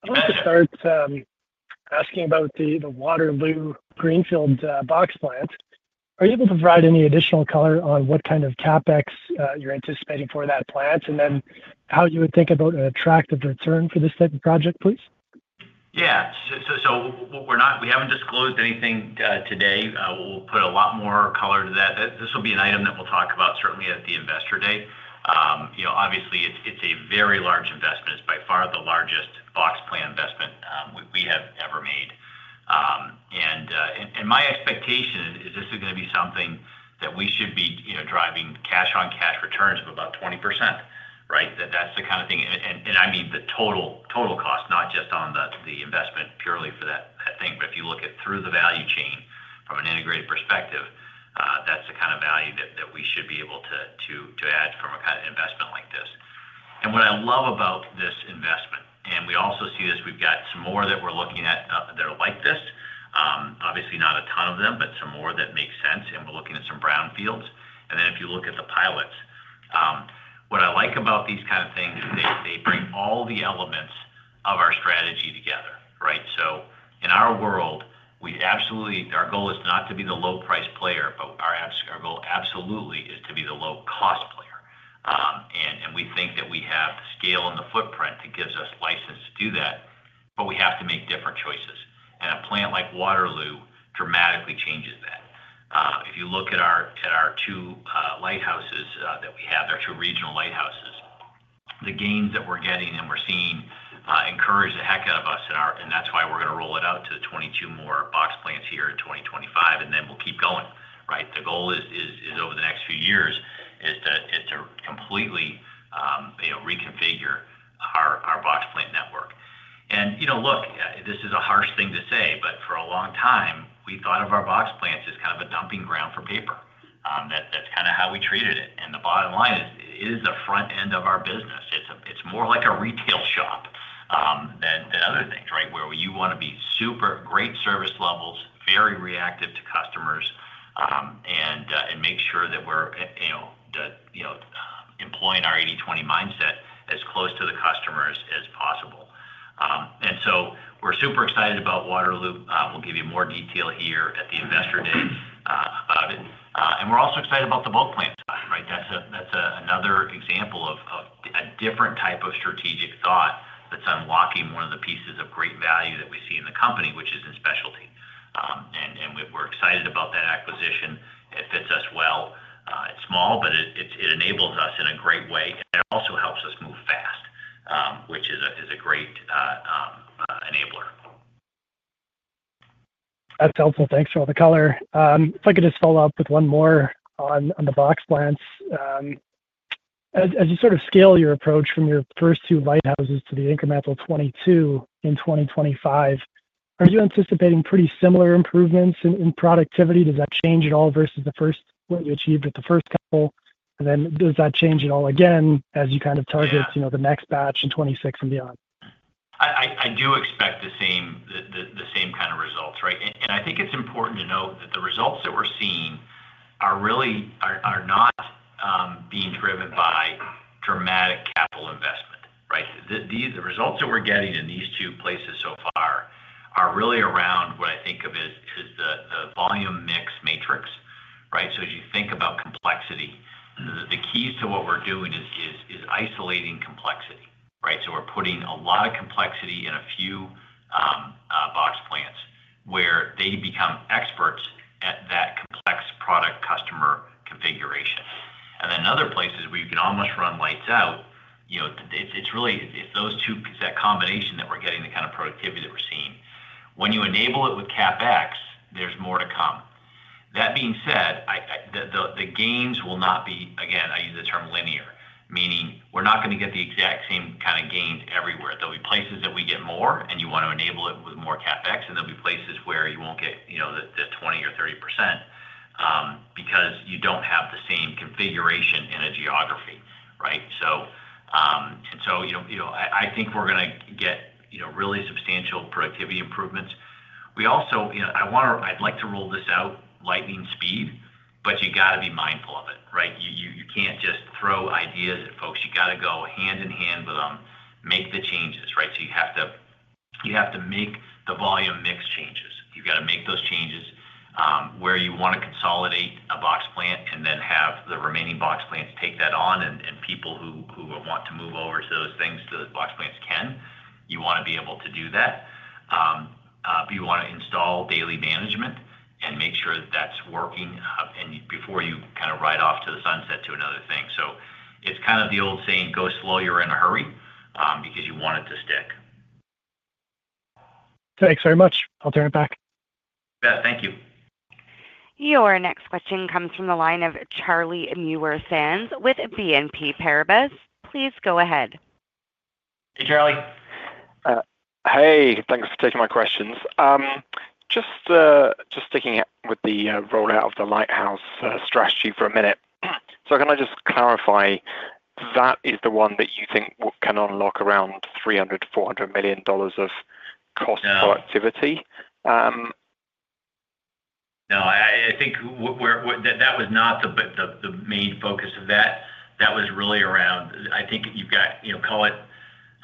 I'd like to start asking about the Waterloo greenfield box plant. Are you able to provide any additional color on what kind of CapEx you're anticipating for that plant? And then how you would think about an attractive return for this type of project, please? Yeah. So we haven't disclosed anything today. We'll put a lot more color to that. This will be an item that we'll talk about certainly at the Investor Day. Obviously, it's a very large investment. It's by far the largest box plant investment we have ever made. And my expectation is this is going to be something that we should be driving cash-on-cash returns of about 20%, right? That's the kind of thing. And I mean the total cost, not just on the investment purely for that thing. But if you look through the value chain from an integrated perspective, that's the kind of value that we should be able to add from a kind of investment like this. And what I love about this investment, and we also see this, we've got some more that we're looking at that are like this. Obviously, not a ton of them, but some more that make sense. And we're looking at some brownfields. And then if you look at the pilots, what I like about these kinds of things, they bring all the elements of our strategy together, right? So in our world, our goal is not to be the low-price player, but our goal absolutely is to be the low-cost player. And we think that we have the scale and the footprint that gives us license to do that, but we have to make different choices. A plant like Waterloo dramatically changes that. If you look at our two lighthouses that we have, our two regional lighthouses, the gains that we're getting and we're seeing encourage a heck out of us. That's why we're going to roll it out to 22 more box plants here in 2025, and then we'll keep going, right? The goal over the next few years is to completely reconfigure our box plant network. Look, this is a harsh thing to say, but for a long time, we thought of our box plants as kind of a dumping ground for paper. That's kind of how we treated it. The bottom line is it is the front end of our business. It's more like a retail shop than other things, right? Where you want to be super great service levels, very reactive to customers, and make sure that we're employing our 80/20 mindset as close to the customers as possible. And so we're super excited about Waterloo. We'll give you more detail here at the Investor Day about it. And we're also excited about the box plants, right? That's another example of a different type of strategic thought that's unlocking one of the pieces of great value that we see in the company, which is in specialty. And we're excited about that acquisition. It fits us well. It's small, but it enables us in a great way. And it also helps us move fast, which is a great enabler. That's helpful. Thanks for all the color. If I could just follow up with one more on the box plants. As you sort of scale your approach from your first two Lighthouses to the incremental 22 in 2025, are you anticipating pretty similar improvements in productivity? Does that change at all versus the first what you achieved with the first couple? And then does that change at all again as you kind of target the next batch in 2026 and beyond? I do expect the same kind of results, right? And I think it's important to note that the results that we're seeing are not being driven by dramatic capital investment, right? The results that we're getting in these two places so far are really around what I think of as the volume mix matrix, right? So as you think about complexity, the keys to what we're doing is isolating complexity, right? So we're putting a lot of complexity in a few box plants where they become experts at that complex product customer configuration. And then other places where you can almost run lights out, it's really that combination that we're getting the kind of productivity that we're seeing. When you enable it with CapEx, there's more to come. That being said, the gains will not be, again, I use the term linear, meaning we're not going to get the exact same kind of gains everywhere. There'll be places that we get more, and you want to enable it with more CapEx. And there'll be places where you won't get the 20% or 30% because you don't have the same configuration in a geography, right? And so I think we're going to get really substantial productivity improvements. We also, I'd like to roll this out lightning speed, but you got to be mindful of it, right? You can't just throw ideas at folks. You got to go hand in hand with them, make the changes, right? So you have to make the volume mix changes. You've got to make those changes where you want to consolidate a box plant and then have the remaining box plants take that on. And people who want to move over to those things, those box plants can. You want to be able to do that. You want to install daily management and make sure that that's working before you kind of ride off to the sunset to another thing. So it's kind of the old saying, go slow, you're in a hurry because you want it to stick. Thanks very much. I'll turn it back. Yeah. Thank you. Your next question comes from the line of Charlie Muir-Sands with BNP Paribas. Please go ahead. Hey, Charlie. Hey. Thanks for taking my questions. Just sticking with the rollout of the Lighthouse strategy for a minute. So can I just clarify that is the one that you think can unlock around $300 million-$400 million of cost productivity? No. I think that was not the main focus of that. That was really around, I think you've got call it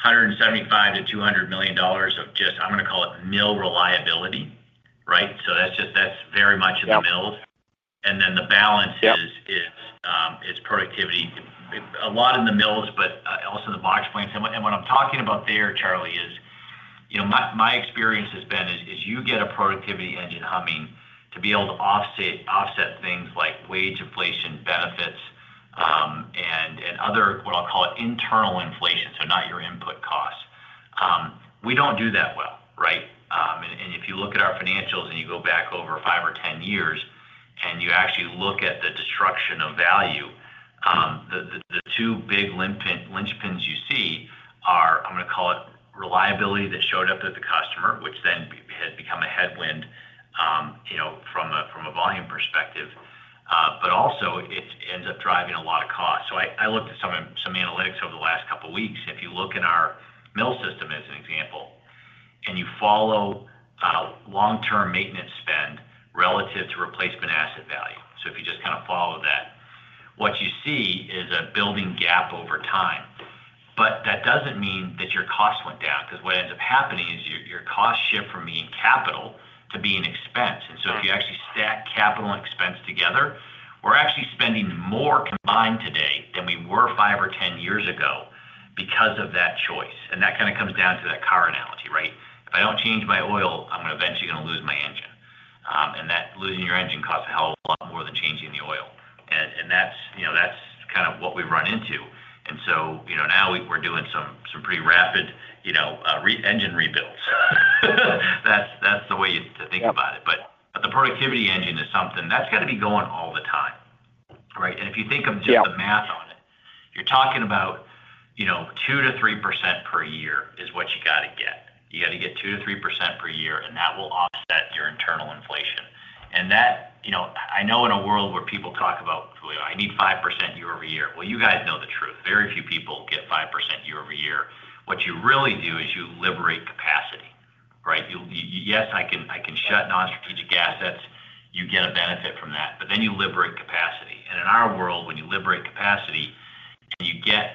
$175 million-$200 million of just, I'm going to call it mill reliability, right? So that's very much in the mills. And then the balance is productivity. A lot in the mills, but also the box plants. And what I'm talking about there, Charlie, is my experience has been is you get a productivity engine humming to be able to offset things like wage inflation, benefits, and other what I'll call it internal inflation, so not your input costs. We don't do that well, right? And if you look at our financials and you go back over five or 10 years and you actually look at the destruction of value, the two big linchpins you see are, I'm going to call it reliability that showed up at the customer, which then has become a headwind from a volume perspective, but also it ends up driving a lot of costs. So I looked at some analytics over the last couple of weeks. If you look in our mill system as an example, and you follow long-term maintenance spend relative to replacement asset value. So if you just kind of follow that, what you see is a building gap over time. But that doesn't mean that your costs went down because what ends up happening is your costs shift from being capital to being expense. And so if you actually stack capital and expense together, we're actually spending more combined today than we were five or 10 years ago because of that choice. And that kind of comes down to that car analogy, right? If I don't change my oil, I'm eventually going to lose my engine. And that losing your engine costs a hell of a lot more than changing the oil. And that's kind of what we've run into. And so now we're doing some pretty rapid engine rebuilds. That's the way to think about it. But the productivity engine is something that's got to be going all the time, right? If you think of just the math on it, you're talking about 2%-3% per year, which is what you got to get. You got to get 2%-3% per year, and that will offset your internal inflation. I know in a world where people talk about, "I need 5% year-over-year." Well, you guys know the truth. Very few people get 5% year-over-year. What you really do is you liberate capacity, right? Yes, I can shut non-strategic assets. You get a benefit from that. But then you liberate capacity. In our world, when you liberate capacity and you get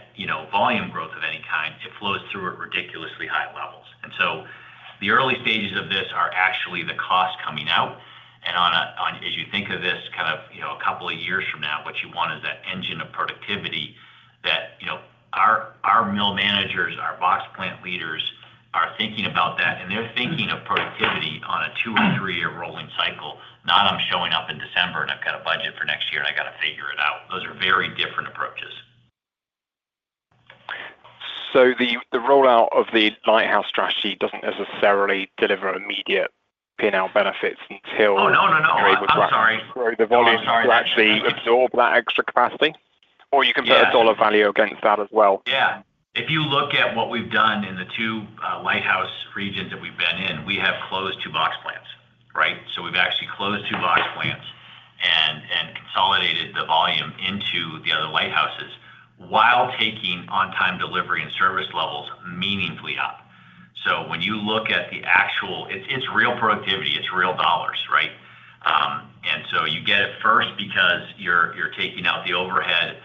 volume growth of any kind, it flows through at ridiculously high levels. So the early stages of this are actually the cost coming out. As you think of this kind of a couple of years from now, what you want is that engine of productivity that our mill managers, our box plant leaders are thinking about that. They're thinking of productivity on a two or three-year rolling cycle, not I'm showing up in December and I've got a budget for next year and I got to figure it out. Those are very different approaches. The rollout of the Lighthouse strategy doesn't necessarily deliver immediate P&L benefits until. The volume actually absorbs that extra capacity. Or you can put a dollar value against that as well. Yeah. If you look at what we've done in the two Lighthouse regions that we've been in, we have closed two box plants, right? So we've actually closed two box plants and consolidated the volume into the other lighthouses while taking on-time delivery and service levels meaningfully up. So when you look at the actual, it's real productivity. It's real dollars, right? And so you get it first because you're taking out the overhead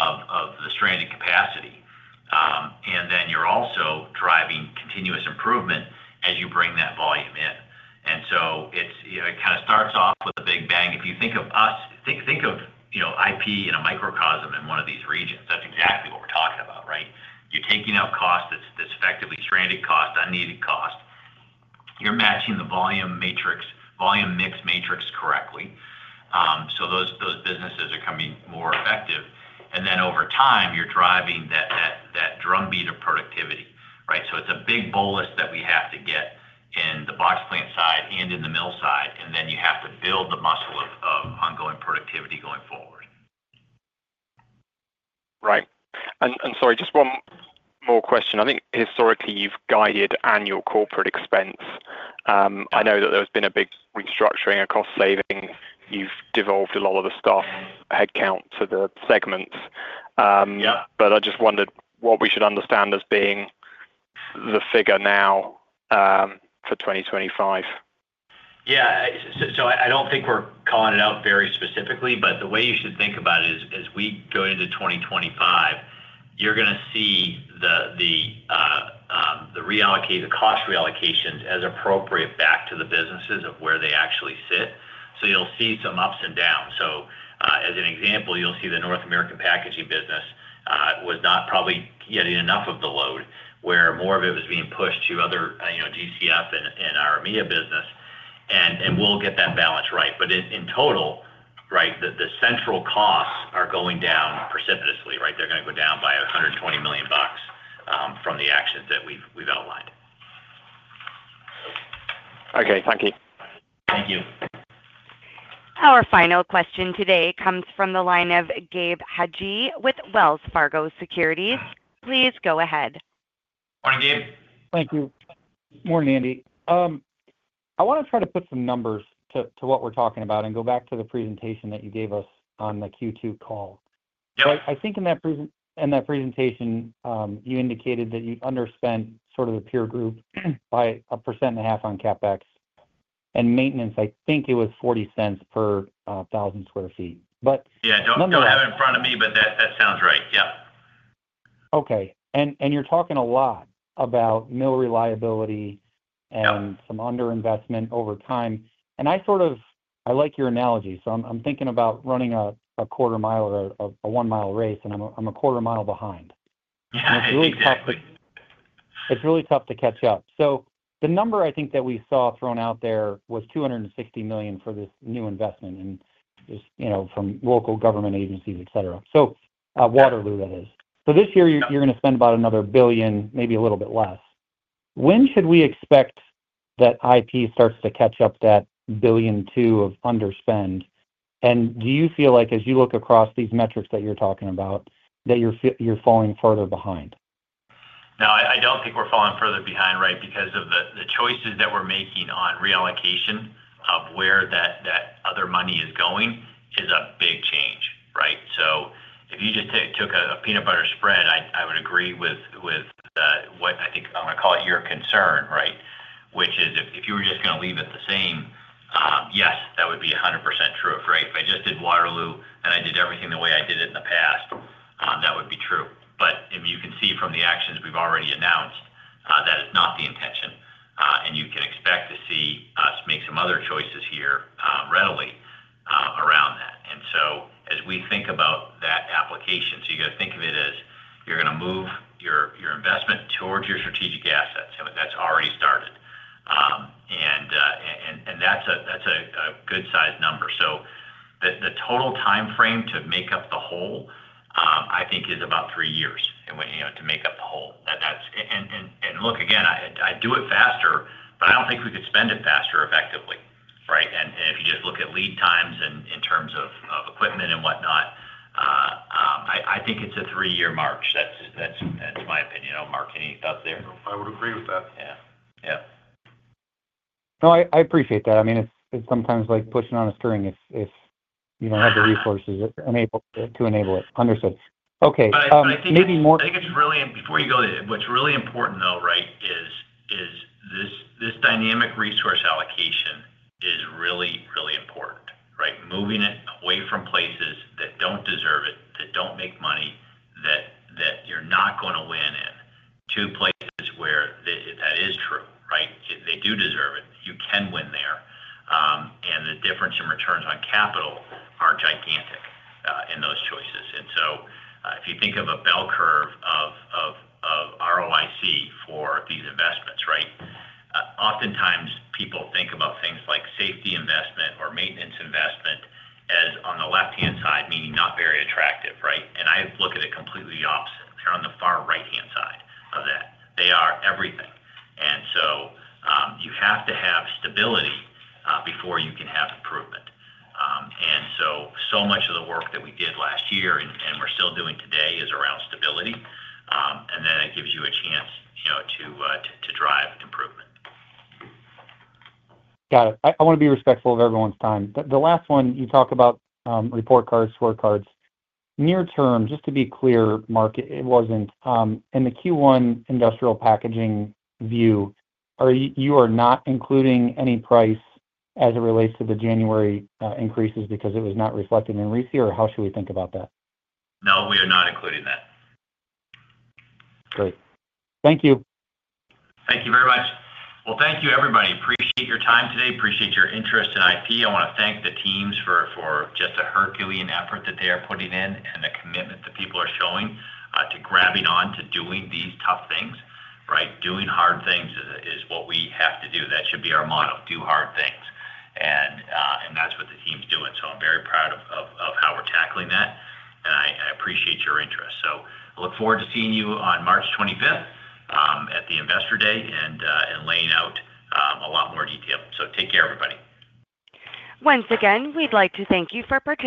of the stranded capacity. And then you're also driving continuous improvement as you bring that volume in. And so it kind of starts off with a big bang. If you think of us, think of IP and a microcosm in one of these regions. That's exactly what we're talking about, right? You're taking out costs that's effectively stranded cost, unneeded cost. You're matching the volume mix matrix correctly. So those businesses are coming more effective. And then over time, you're driving that drumbeat of productivity, right? So it's a big bolus that we have to get in the box plant side and in the mill side. And then you have to build the muscle of ongoing productivity going forward. Right. And sorry, just one more question. I think historically you've guided annual corporate expense. I know that there has been a big restructuring of cost savings. You've devolved a lot of the stuff, headcount to the segments. But I just wondered what we should understand as being the figure now for 2025. Yeah. So I don't think we're calling it out very specifically, but the way you should think about it is as we go into 2025, you're going to see the cost reallocations as appropriate back to the businesses of where they actually sit. So you'll see some ups and downs. So as an example, you'll see the North American packaging business was not probably getting enough of the load where more of it was being pushed to other GCF and our EMEA business. And we'll get that balance right. But in total, right, the central costs are going down precipitously, right? They're going to go down by $120 million from the actions that we've outlined. Okay. Thank you. Thank you. Our final question today comes from the line of Gabe Hajde with Wells Fargo Securities. Please go ahead. Morning, Gabe. Thank you. Morning, Andy. I want to try to put some numbers to what we're talking about and go back to the presentation that you gave us on the Q2 call. I think in that presentation, you indicated that you underspent sort of the peer group by 1.5% on CapEx. And maintenance, I think it was $0.40 per 1,000 sq ft. But none of that. Yeah. Don't have it in front of me, but that sounds right. Yep. Okay. You're talking a lot about mill reliability and some underinvestment over time. I sort of like your analogy. I'm thinking about running a quarter mile or a one-mile race, and I'm a quarter mile behind. It's really tough to catch up. The number I think that we saw thrown out there was $260 million for this new investment from local government agencies, etc. Waterloo, that is. This year, you're going to spend about another $1 billion, maybe a little bit less. When should we expect that IP starts to catch up that $1.2 billion of underspend? Do you feel like, as you look across these metrics that you're talking about, that you're falling further behind? No, I don't think we're falling further behind, right, because of the choices that we're making on reallocation of where that other money is going is a big change, right? So if you just took a peanut butter spread, I would agree with what I think I'm going to call it your concern, right? Which is if you were just going to leave it the same, yes, that would be 100% true, right? If I just did Waterloo and I did everything the way I did it in the past, that would be true. But if you can see from the actions we've already announced that is not the intention, and you can expect to see us make some other choices here readily around that. And so as we think about that application, so you got to think of it as you're going to move your investment towards your strategic assets. That's already started. And that's a good size number. So the total time frame to make up the hole, I think, is about three years to make up the hole. And look, again, I'd do it faster, but I don't think we could spend it faster effectively, right? And if you just look at lead times in terms of equipment and whatnot, I think it's a three-year march. That's my opinion. Oh, Mark, any thoughts there? I would agree with that. Yeah. Yeah. No, I appreciate that. I mean, it's sometimes like pushing on a string if you don't have the resources to enable it. Understood. Okay. But I think it's really, before you go there, what's really important, though, right, is this dynamic resource allocation is really, really important, right? Moving it away from places that don't deserve it, that don't make money, that you're not going to win in. To places where that is true, right? They do deserve it. You can win there. And the difference in returns on capital are gigantic in those choices. And so if you think of a bell curve of ROIC for these investments, right? Oftentimes, people think about things like safety investment or maintenance investment as on the left-hand side, meaning not very attractive, right? And I look at it completely opposite. They're on the far right-hand side of that. They are everything. And so you have to have stability before you can have improvement. So much of the work that we did last year and we're still doing today is around stability. Then it gives you a chance to drive improvement. Got it. I want to be respectful of everyone's time. The last one, you talk about report cards, scorecards. Near term, just to be clear, Mark, it wasn't. In the Q1 industrial packaging view, you are not including any price as it relates to the January increases because it was not reflected in RISI? Or how should we think about that? No, we are not including that. Great. Thank you. Thank you very much. Well, thank you, everybody. Appreciate your time today. Appreciate your interest in IP. I want to thank the teams for just a Herculean effort that they are putting in and the commitment that people are showing to grabbing on to doing these tough things, right Doing hard things is what we have to do. That should be our motto: do hard things. And that's what the team's doing. So I'm very proud of how we're tackling that. And I appreciate your interest. So I look forward to seeing you on March 25th at the Investor Day and laying out a lot more detail. So take care, everybody. Once again, we'd like to thank you for participating.